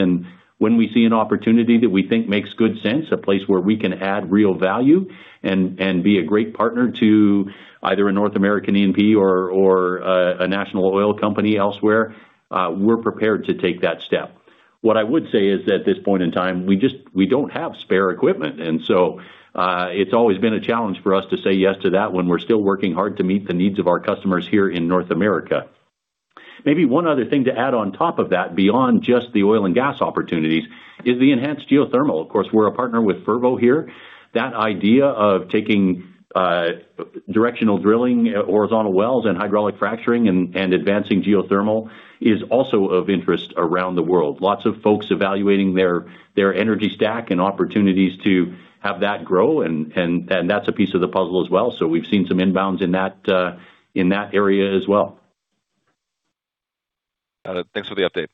When we see an opportunity that we think makes good sense, a place where we can add real value and be a great partner to either a North American E&P or a national oil company elsewhere, we're prepared to take that step. What I would say is, at this point in time, we don't have spare equipment, and so it's always been a challenge for us to say yes to that when we're still working hard to meet the needs of our customers here in North America. Maybe one other thing to add on top of that, beyond just the oil and gas opportunities, is the enhanced geothermal. Of course, we're a partner with Fervo here. That idea of taking directional drilling, horizontal wells and hydraulic fracturing and advancing geothermal is also of interest around the world. Lots of folks evaluating their energy stack and opportunities to have that grow, and that's a piece of the puzzle as well. We've seen some inbounds in that area as well. Got it. Thanks for the update.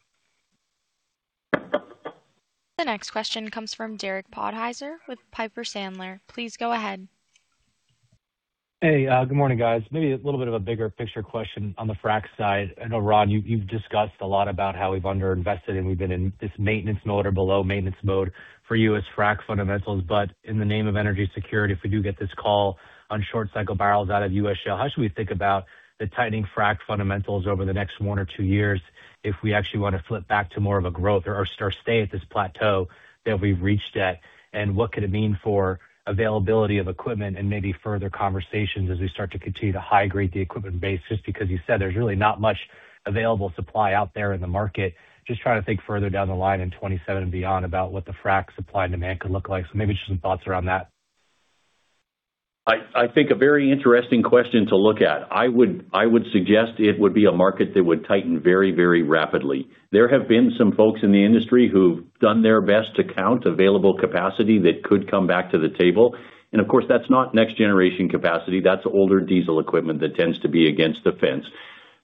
The next question comes from Derek Podhaizer with Piper Sandler. Please go ahead. Hey, good morning, guys. Maybe a little bit of a bigger picture question on the frac side. I know, Ron, you've discussed a lot about how we've under invested, and we've been in this maintenance mode or below maintenance mode for you as frac fundamentals. In the name of energy security, if we do get this call on short-cycle barrels out of U.S. Shale, how should we think about the tightening frac fundamentals over the next one or two years if we actually want to flip back to more of a growth or stay at this plateau that we've reached at? What could it mean for availability of equipment and maybe further conversations as we start to continue to high-grade the equipment base? Just because you said there's really not much available supply out there in the market. Just trying to think further down the line in 2027 and beyond about what the frac supply and demand could look like. Maybe just some thoughts around that. I think a very interesting question to look at. I would suggest it would be a market that would tighten very rapidly. There have been some folks in the industry who've done their best to count available capacity that could come back to the table. Of course, that's not next generation capacity. That's older diesel equipment that tends to be against the fence.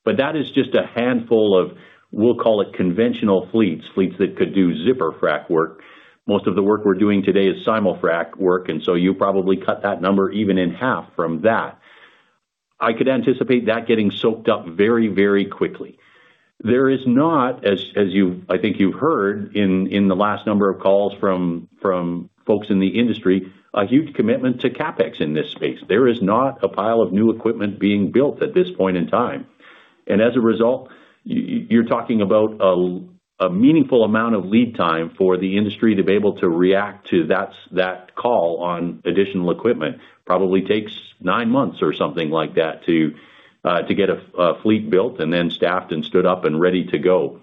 That is just a handful of, we'll call it conventional fleets that could do zipper frac work. Most of the work we're doing today is simul-frac work, and so you probably cut that number even in half from that. I could anticipate that getting soaked up very quickly. There is not, as I think you've heard in the last number of calls from folks in the industry, a huge commitment to CapEx in this space. There is not a pile of new equipment being built at this point in time. As a result, you're talking about a meaningful amount of lead time for the industry to be able to react to that call on additional equipment. Probably takes nine months or something like that to get a fleet built and then staffed and stood up and ready to go.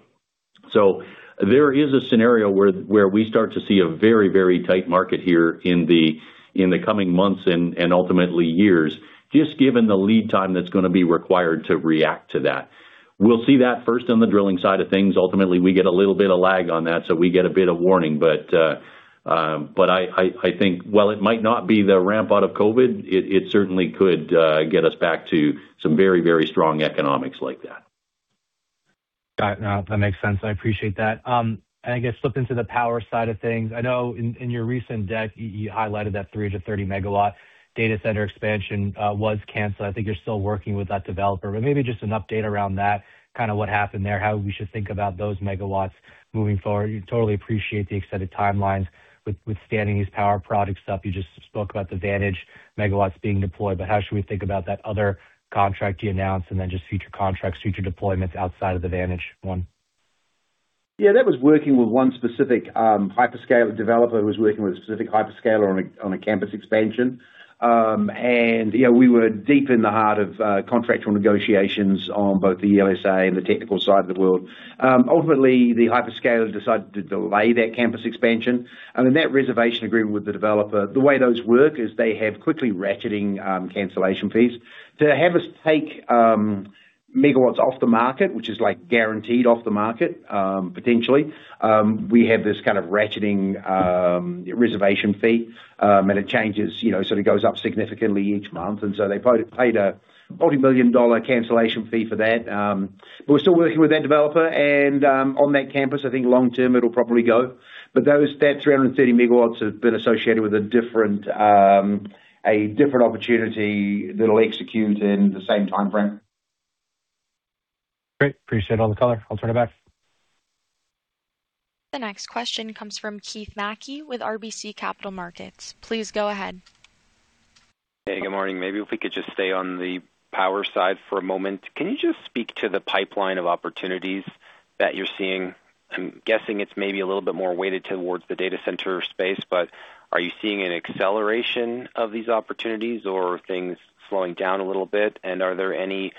There is a scenario where we start to see a very tight market here in the coming months and ultimately years, just given the lead time that's going to be required to react to that. We'll see that first on the drilling side of things. Ultimately, we get a little bit of lag on that, so we get a bit of warning. I think while it might not be the ramp out of COVID, it certainly could get us back to some very strong economics like that. Got it. No, that makes sense. I appreciate that. I guess shift into the power side of things. I know in your recent deck, you highlighted that 330-MW data center expansion was canceled. I think you're still working with that developer, but maybe just an update around that, kind of what happened there, how we should think about those megawatts moving forward. I totally appreciate the extended timelines notwithstanding these power product stuff. You just spoke about the Vantage megawatts being deployed, but how should we think about that other contract you announced and then just future contracts, future deployments outside of the Vantage one? Yeah, that was working with one specific hyperscale developer who was working with a specific hyperscaler on a campus expansion. Yeah, we were deep in the heart of contractual negotiations on both the ESA and the technical side of the world. Ultimately, the hyperscaler decided to delay that campus expansion, and in that reservation agreement with the developer, the way those work is they have quickly ratcheting cancellation fees to have us take megawatts off the market, which is guaranteed off the market, potentially. We have this kind of ratcheting reservation fee, and it changes, sort of goes up significantly each month, and so they paid a $multi-million cancellation fee for that. We're still working with that developer, and on that campus, I think long term it'll probably go. That 330 MW has been associated with a different opportunity that'll execute in the same timeframe. Great. I appreciate all the color. I'll turn it back. The next question comes from Keith MacKey with RBC Capital Markets. Please go ahead. Hey, good morning. Maybe if we could just stay on the power side for a moment. Can you just speak to the pipeline of opportunities that you're seeing? I'm guessing it's maybe a little bit more weighted towards the data center space, but are you seeing an acceleration of these opportunities or are things slowing down a little bit? Are there any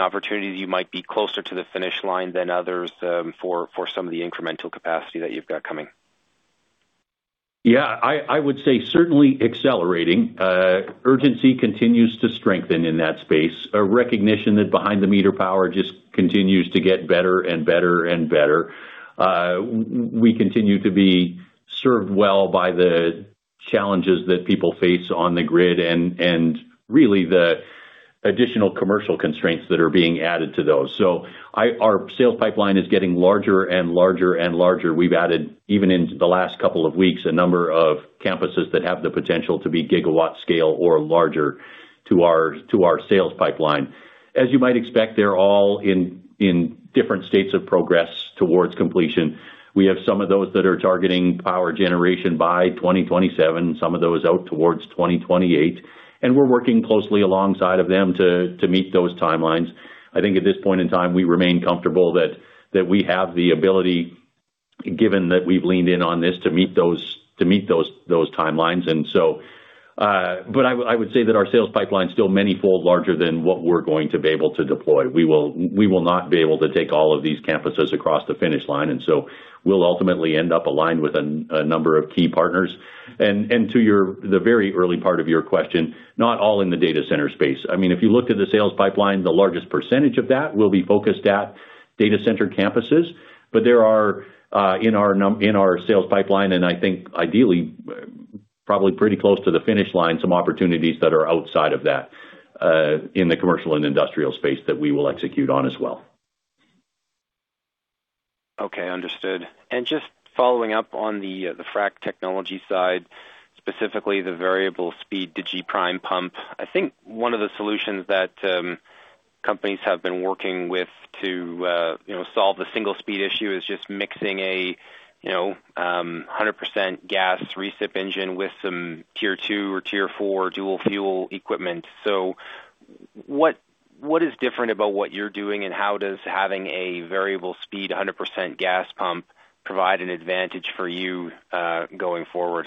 opportunities you might be closer to the finish line than others for some of the incremental capacity that you've got coming? Yeah, I would say certainly accelerating. Urgency continues to strengthen in that space. A recognition that behind-the-meter power just continues to get better and better. We continue to be served well by the challenges that people face on the grid and really the additional commercial constraints that are being added to those. Our sales pipeline is getting larger and larger and larger. We've added even in the last couple of weeks, a number of campuses that have the potential to be gigawatt scale or larger to our sales pipeline. As you might expect, they're all in different states of progress towards completion. We have some of those that are targeting power generation by 2027, some of those out towards 2028, and we're working closely alongside of them to meet those timelines. I think at this point in time, we remain comfortable that we have the ability, given that we've leaned in on this to meet those timelines. I would say that our sales pipeline is still many fold larger than what we're going to be able to deploy. We will not be able to take all of these campuses across the finish line, and so we'll ultimately end up aligned with a number of key partners. To the very early part of your question, not all in the data center space. If you looked at the sales pipeline, the largest percentage of that will be focused at data center campuses. There are, in our sales pipeline, and I think ideally probably pretty close to the finish line, some opportunities that are outside of that, in the commercial and industrial space that we will execute on as well. Okay, understood. Just following up on the frac technology side, specifically the variable speed digiPrime pump. I think one of the solutions that companies have been working with to solve the single speed issue is just mixing a 100% gas recip engine with some tier two or tier four dual fuel equipment. What is different about what you're doing, and how does having a variable speed 100% gas pump provide an advantage for you, going forward?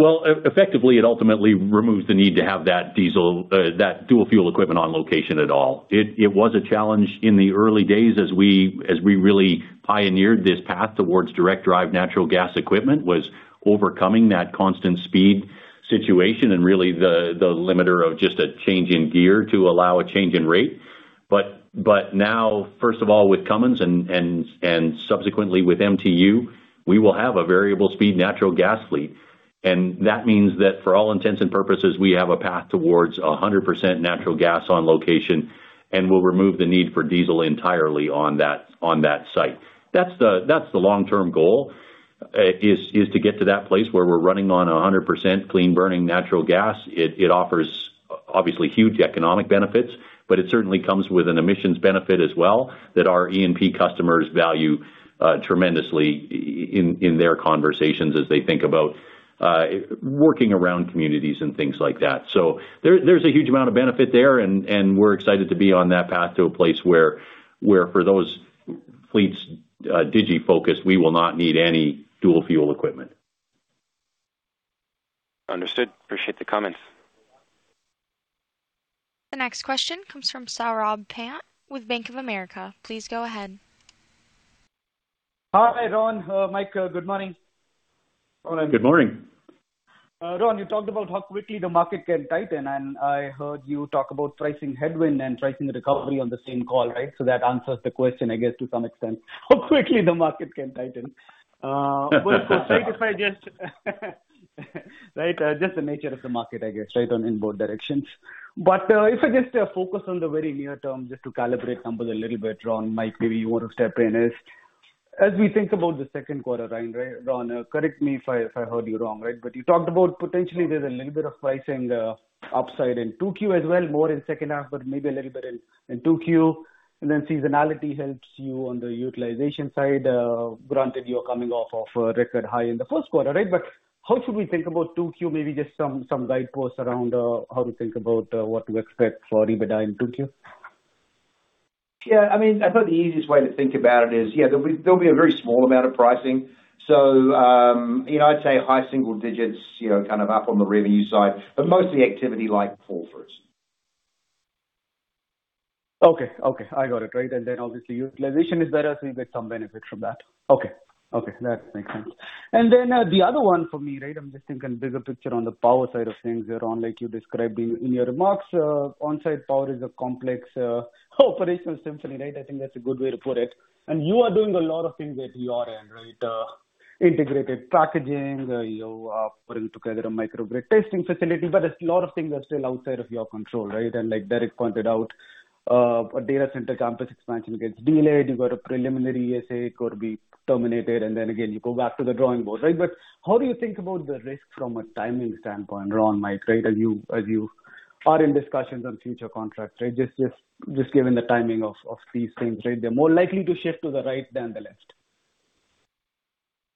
Well, effectively, it ultimately removes the need to have that diesel, that dual fuel equipment on location at all. It was a challenge in the early days as we really pioneered this path towards direct drive natural gas equipment was overcoming that constant speed situation and really the limiter of just a change in gear to allow a change in rate. Now, first of all, with Cummins and subsequently with MTU, we will have a variable speed natural gas fleet. That means that for all intents and purposes, we have a path towards 100% natural gas on location, and we'll remove the need for diesel entirely on that site. That's the long-term goal, is to get to that place where we're running on 100% clean burning natural gas. It offers obviously huge economic benefits, but it certainly comes with an emissions benefit as well that our E&P customers value tremendously in their conversations as they think about working around communities and things like that. There's a huge amount of benefit there, and we're excited to be on that path to a place where for those fleets Digi focused, we will not need any dual fuel equipment. Understood. Appreciate the comments. The next question comes from Saurabh Pant with Bank of America. Please go ahead. Hi, Ron. Mike. Good morning. Good morning. Ron, you talked about how quickly the market can tighten, and I heard you talk about pricing headwind and pricing recovery on the same call, right? That answers the question, I guess, to some extent, how quickly the market can tighten. Right. Just the nature of the market, I guess, right on in both directions. If I just focus on the very near term just to calibrate numbers a little bit, Ron, Mike, maybe you want to step in, as we think about the second quarter, right, Ron? Correct me if I heard you wrong, right? You talked about potentially there's a little bit of pricing upside in 2Q as well, more in second half, but maybe a little bit in 2Q. Seasonality helps you on the utilization side, granted you're coming off of a record high in the first quarter, right? How should we think about 2Q, maybe just some guide posts around how to think about what to expect for EBITDA in 2Q? Yeah, I thought the easiest way to think about it is, yeah, there'll be a very small amount of pricing. I'd say high single digits up on the revenue side, but mostly activity like pull-throughs. Okay. I got it. Right. Obviously utilization is better, so you get some benefit from that. Okay. That makes sense. The other one for me, right? I'm just thinking bigger picture on the power side of things here on, like you described in your remarks, onsite power is a complex operational symphony, right? I think that's a good way to put it. You are doing a lot of things at your end, right? Integrated packaging, you are putting together a microgrid testing facility, but a lot of things are still outside of your control, right? Like Derek pointed out, a data center campus expansion gets delayed. You've got a preliminary ESA could be terminated, and again, you go back to the drawing board, right? How do you think about the risk from a timing standpoint, Ron, Mike, right, as you are in discussions on future contracts, right? Just given the timing of these things, right, they're more likely to shift to the right than the left.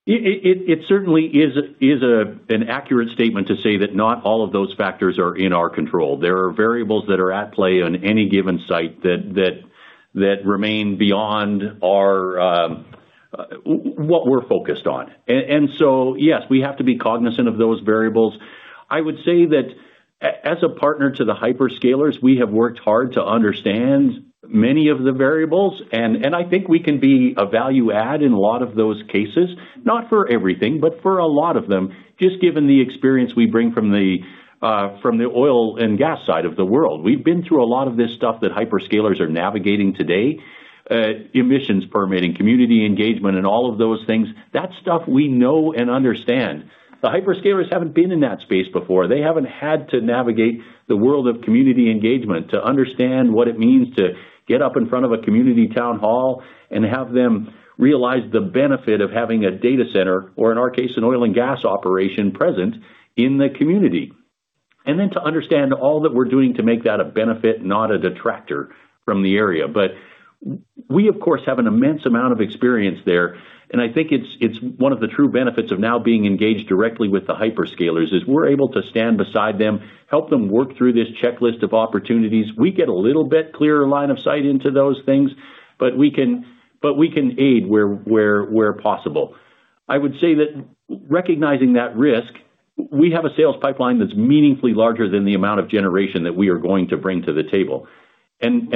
It certainly is an accurate statement to say that not all of those factors are in our control. There are variables that are at play on any given site that remain beyond what we're focused on. Yes, we have to be cognizant of those variables. I would say that as a partner to the hyperscalers, we have worked hard to understand many of the variables, and I think we can be a value add in a lot of those cases. Not for everything, but for a lot of them, just given the experience we bring from the oil and gas side of the world. We've been through a lot of this stuff that hyperscalers are navigating today. Emissions permitting, community engagement, and all of those things, that's stuff we know and understand. The hyperscalers haven't been in that space before. They haven't had to navigate the world of community engagement to understand what it means to get up in front of a community town hall and have them realize the benefit of having a data center, or in our case, an oil and gas operation present in the community to understand all that we're doing to make that a benefit, not a detractor from the area. We of course have an immense amount of experience there, and I think it's one of the true benefits of now being engaged directly with the hyperscalers, is we're able to stand beside them, help them work through this checklist of opportunities. We get a little bit clearer line of sight into those things, but we can aid where possible. I would say that recognizing that risk, we have a sales pipeline that's meaningfully larger than the amount of generation that we are going to bring to the table.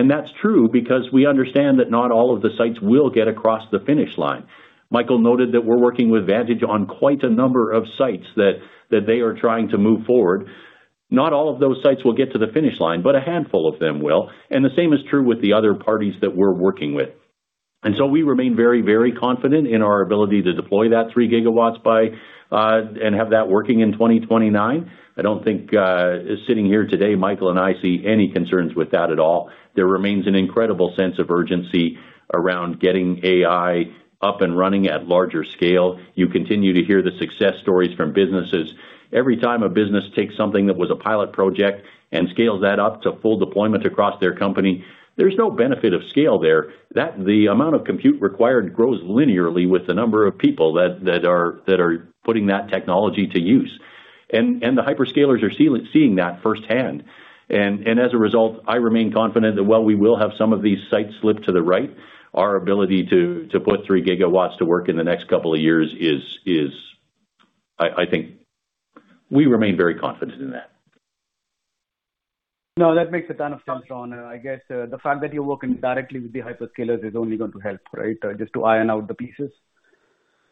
That's true because we understand that not all of the sites will get across the finish line. Michael noted that we're working with Vantage on quite a number of sites that they are trying to move forward. Not all of those sites will get to the finish line, but a handful of them will. The same is true with the other parties that we're working with. We remain very confident in our ability to deploy that 3 gigawatts by, and have that working in 2029. I don't think, sitting here today, Michael and I see any concerns with that at all. There remains an incredible sense of urgency around getting AI up and running at larger scale. You continue to hear the success stories from businesses. Every time a business takes something that was a pilot project and scales that up to full deployment across their company, there's no benefit of scale there. The amount of compute required grows linearly with the number of people that are putting that technology to use. The hyperscalers are seeing that firsthand. As a result, I remain confident that while we will have some of these sites slip to the right, our ability to put 3 gigawatts to work in the next couple of years. I think we remain very confident in that. No, that makes a ton of sense, Ron. I guess the fact that you're working directly with the hyperscalers is only going to help, right? Just to iron out the pieces.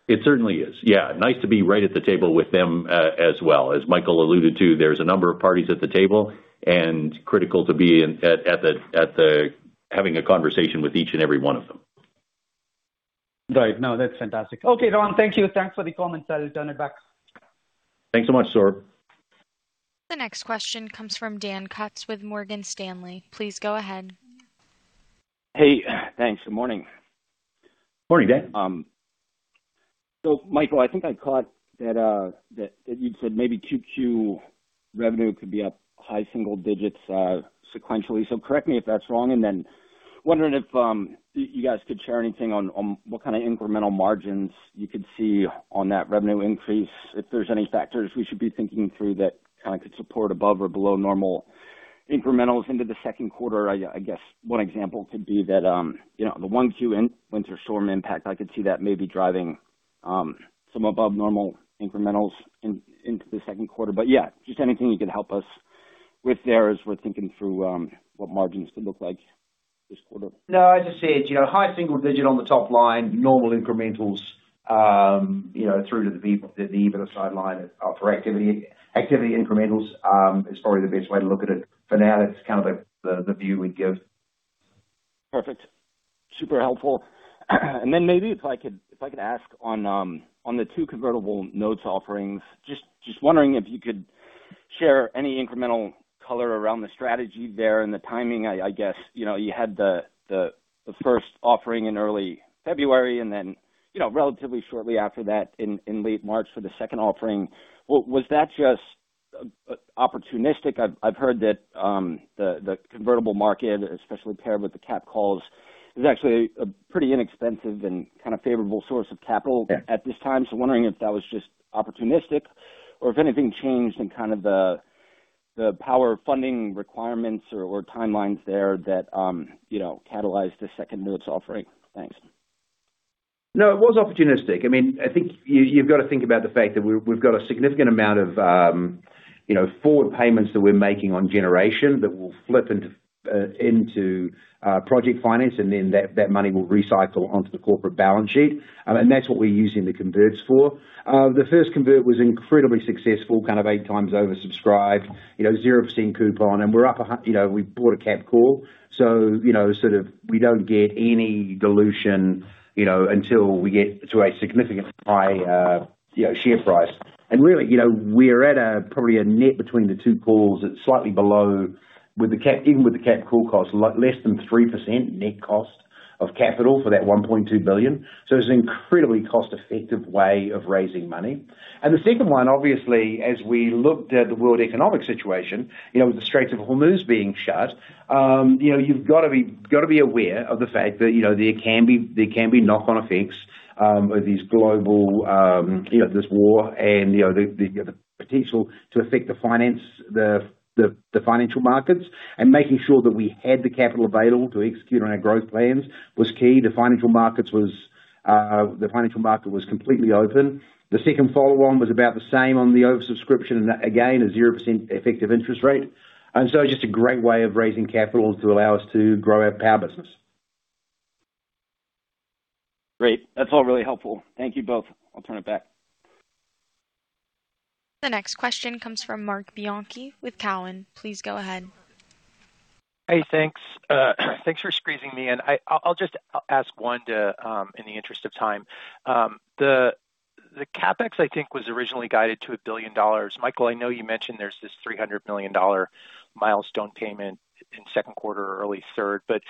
It certainly is. Yeah. Nice to be right at the table with them as well. As Michael alluded to, there's a number of parties at the table, and it's critical to be at the table having a conversation with each and every one of them. Right. No, that's fantastic. Okay, Ron, thank you. Thanks for the comments. I'll turn it back. Thanks so much, Saurabh. The next question comes from Daniel Kutz with Morgan Stanley. Please go ahead. Hey, thanks. Good morning. Morning, Dan. Michael, I think I caught that, you'd said maybe QQ revenue could be up high single digits, sequentially. Correct me if that's wrong, and then wondering if, you guys could share anything on what kind of incremental margins you could see on that revenue increase, if there's any factors we should be thinking through that could support above or below normal incrementals into the second quarter. I guess one example could be that, the 1Q winter storm impact, I could see that maybe driving, some above normal incrementals into the second quarter. Yeah, just anything you could help us with there as we're thinking through, what margins to look like this quarter. No, as I said, high single-digit% on the top line, normal incrementals through to the EBITDA line for activity. Activity incrementals is probably the best way to look at it. For now, that's kind of the view we'd give. Perfect. Super helpful. Then maybe if I could ask on the two convertible notes offerings, just wondering if you could share any incremental color around the strategy there and the timing, I guess. You had the first offering in early February and then, relatively shortly after that in late March for the second offering. Was that just opportunistic? I've heard that the convertible market, especially paired with the capped calls, is actually a pretty inexpensive and kind of favorable source of capital at this time. Wondering if that was just opportunistic or if anything changed in kind of the power funding requirements or timelines there that catalyzed the second notes offering. Thanks. No, it was opportunistic. I think you've got to think about the fact that we've got a significant amount of forward payments that we're making on generation that will flip into project finance, and then that money will recycle onto the corporate balance sheet. That's what we're using the converts for. The first convert was incredibly successful, kind of 8 times oversubscribed, 0% coupon, and we bought a capped call. We don't get any dilution until we get to a significantly high share price. Really, we are at probably a net between the two calls. It's slightly below with the cap, even with the capped call cost, less than 3% net cost of capital for that $1.2 billion. It's an incredibly cost-effective way of raising money. The second one, obviously, as we looked at the world economic situation, with the Straits of Hormuz being shut, you've got to be aware of the fact that there can be knock-on effects of this global war and the potential to affect the finance, the financial markets, and making sure that we had the capital available to execute on our growth plans was key. The financial market was completely open. The second follow-on was about the same on the oversubscription, again, a 0% effective interest rate. Just a great way of raising capital to allow us to grow our power business. Great. That's all really helpful. Thank you both. I'll turn it back. The next question comes from Marc Bianchi with Cowen. Please go ahead. Hey, thanks. Thanks for squeezing me in. I'll just ask one in the interest of time. The CapEx, I think, was originally guided to $1 billion. Michael, I know you mentioned there's this $300 million milestone payment in second quarter or early third, but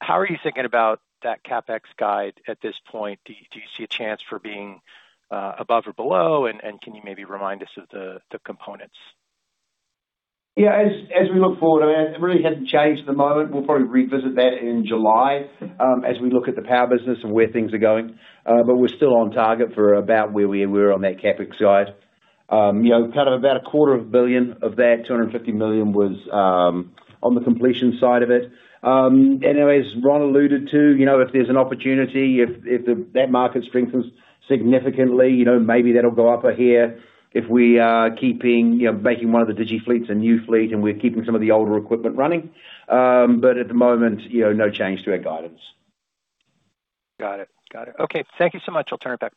how are you thinking about that CapEx guide at this point? Do you see a chance for being above or below? And can you maybe remind us of the components? Yeah, as we look forward, it really hasn't changed at the moment. We'll probably revisit that in July as we look at the power business and where things are going. We're still on target for about where we were on that CapEx guide. Kind of about a quarter of a billion of that $250 million was on the completion side of it. Anyways, Ron alluded to if there's an opportunity, if that market strengthens significantly, maybe that'll go up a hair. If we are keeping, making one of the digiTechnologies fleets a new fleet, and we're keeping some of the older equipment running. At the moment, no change to our guidance. Got it. Okay. Thank you so much. I'll turn it back.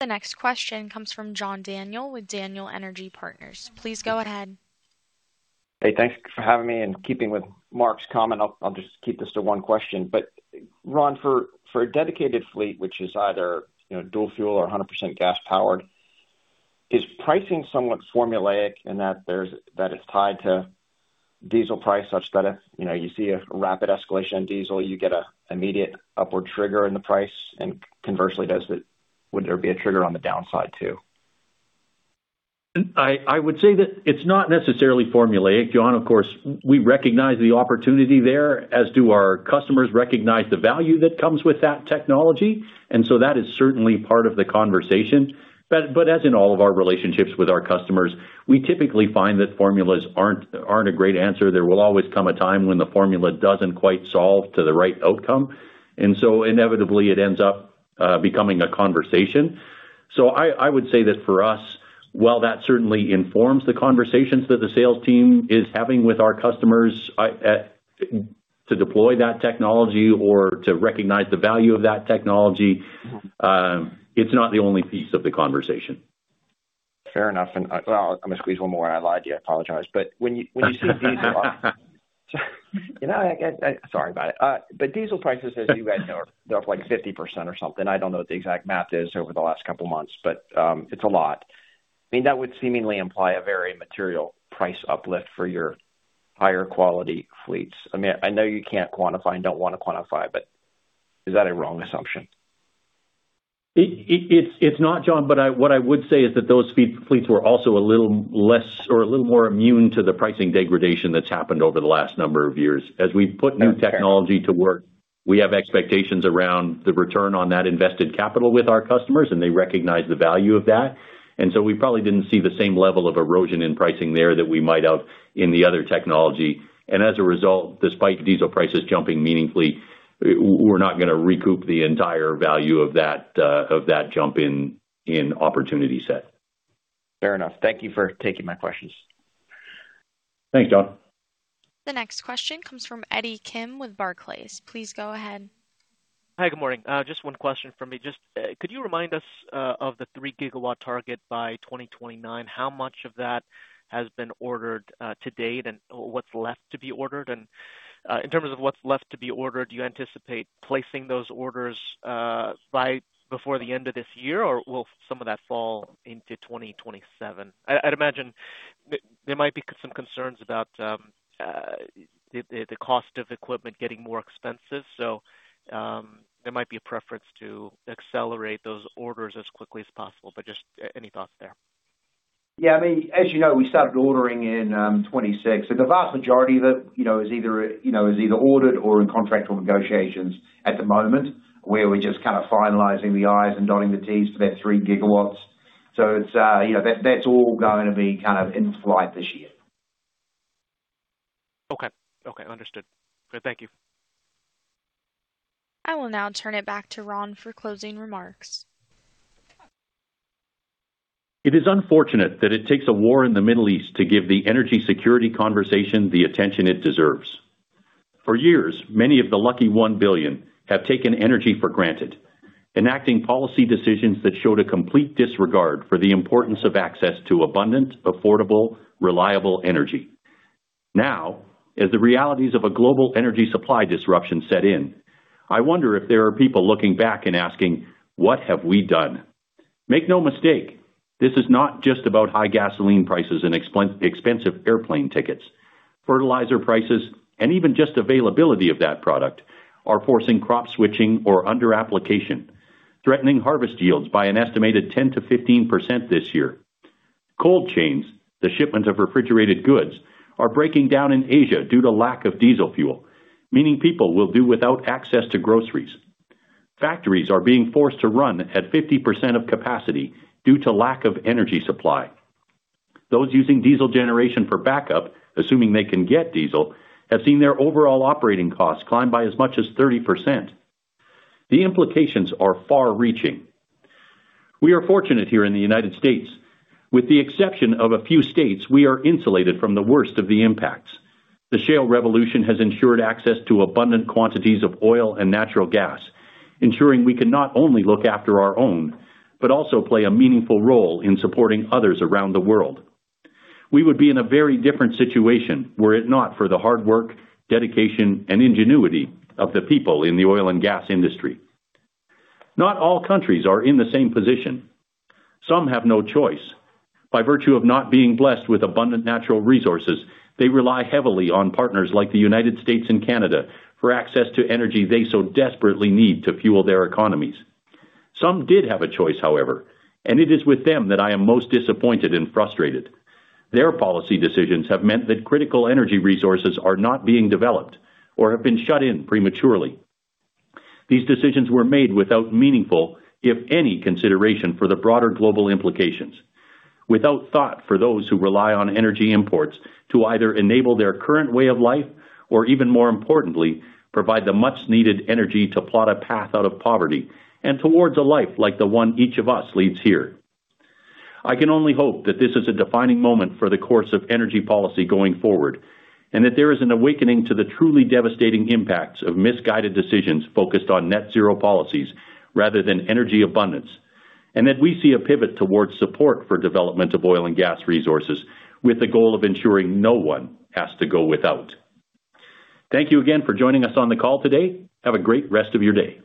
The next question comes from John Daniel with Daniel Energy Partners. Please go ahead. Hey, thanks for having me, and keeping with Marc's comment, I'll just keep this to one question. Ron, for a dedicated fleet which is either dual fuel or 100% gas powered, is pricing somewhat formulaic in that it's tied to diesel price such that if you see a rapid escalation in diesel, you get an immediate upward trigger in the price? Conversely, would there be a trigger on the downside, too? I would say that it's not necessarily formulaic, John. Of course, we recognize the opportunity there, as do our customers recognize the value that comes with that technology. That is certainly part of the conversation. As in all of our relationships with our customers, we typically find that formulas aren't a great answer. There will always come a time when the formula doesn't quite solve to the right outcome. Inevitably, it ends up becoming a conversation. I would say that for us, while that certainly informs the conversations that the sales team is having with our customers to deploy that technology or to recognize the value of that technology, it's not the only piece of the conversation. Fair enough. I'm gonna squeeze one more in. I lied to you. I apologize. Sorry about it. Diesel prices, as you guys know, are up like 50% or something. I don't know what the exact math is over the last couple of months, but it's a lot. That would seemingly imply a very material price uplift for your higher quality fleets. I know you can't quantify and don't want to quantify, but is that a wrong assumption? It's not, John, but what I would say is that those fleets were also a little less or a little more immune to the pricing degradation that's happened over the last number of years. As we've put new technology to work, we have expectations around the return on that invested capital with our customers, and they recognize the value of that. We probably didn't see the same level of erosion in pricing there that we might have in the other technology. As a result, despite diesel prices jumping meaningfully, we're not gonna recoup the entire value of that jump in opportunity set. Fair enough. Thank you for taking my questions. Thanks, John. The next question comes from Sungeun Kim with Barclays. Please go ahead. Hi, good morning. Just one question from me. Just could you remind us of the 3 GW target by 2029? How much of that has been ordered to date, and what's left to be ordered? And in terms of what's left to be ordered, do you anticipate placing those orders before the end of this year, or will some of that fall into 2027? I'd imagine there might be some concerns about the cost of equipment getting more expensive, so there might be a preference to accelerate those orders as quickly as possible. Just any thoughts there? Yeah. As you know, we started ordering in 2026, so the vast majority of it is either ordered or in contractual negotiations at the moment, where we're just kind of finalizing the Is and dotting the Ts for that 3 gigawatts. So that's all going to be in flight this year. Okay. Understood. Thank you. I will now turn it back to Ron for closing remarks. It is unfortunate that it takes a war in the Middle East to give the energy security conversation the attention it deserves. For years, many of the lucky 1 billion have taken energy for granted, enacting policy decisions that showed a complete disregard for the importance of access to abundant, affordable, reliable energy. Now, as the realities of a global energy supply disruption set in, I wonder if there are people looking back and asking, "What have we done?" Make no mistake, this is not just about high gasoline prices and expensive airplane tickets. Fertilizer prices, and even just availability of that product, are forcing crop switching or under-application, threatening harvest yields by an estimated 10%-15% this year. Cold chains, the shipment of refrigerated goods, are breaking down in Asia due to lack of diesel fuel, meaning people will do without access to groceries. Factories are being forced to run at 50% of capacity due to lack of energy supply. Those using diesel generation for backup, assuming they can get diesel, have seen their overall operating costs climb by as much as 30%. The implications are far-reaching. We are fortunate here in the United States. With the exception of a few states, we are insulated from the worst of the impacts. The shale revolution has ensured access to abundant quantities of oil and natural gas, ensuring we can not only look after our own, but also play a meaningful role in supporting others around the world. We would be in a very different situation were it not for the hard work, dedication, and ingenuity of the people in the oil and gas industry. Not all countries are in the same position. Some have no choice. By virtue of not being blessed with abundant natural resources, they rely heavily on partners like the United States and Canada for access to energy they so desperately need to fuel their economies. Some did have a choice, however, and it is with them that I am most disappointed and frustrated. Their policy decisions have meant that critical energy resources are not being developed or have been shut in prematurely. These decisions were made without meaningful, if any, consideration for the broader global implications, without thought for those who rely on energy imports to either enable their current way of life or, even more importantly, provide the much-needed energy to plot a path out of poverty and towards a life like the one each of us leads here. I can only hope that this is a defining moment for the course of energy policy going forward, and that there is an awakening to the truly devastating impacts of misguided decisions focused on net zero policies rather than energy abundance, and that we see a pivot towards support for development of oil and gas resources with the goal of ensuring no one has to go without. Thank you again for joining us on the call today. Have a great rest of your day.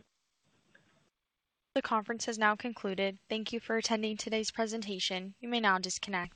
The conference has now concluded. Thank you for attending today's presentation. You may now disconnect.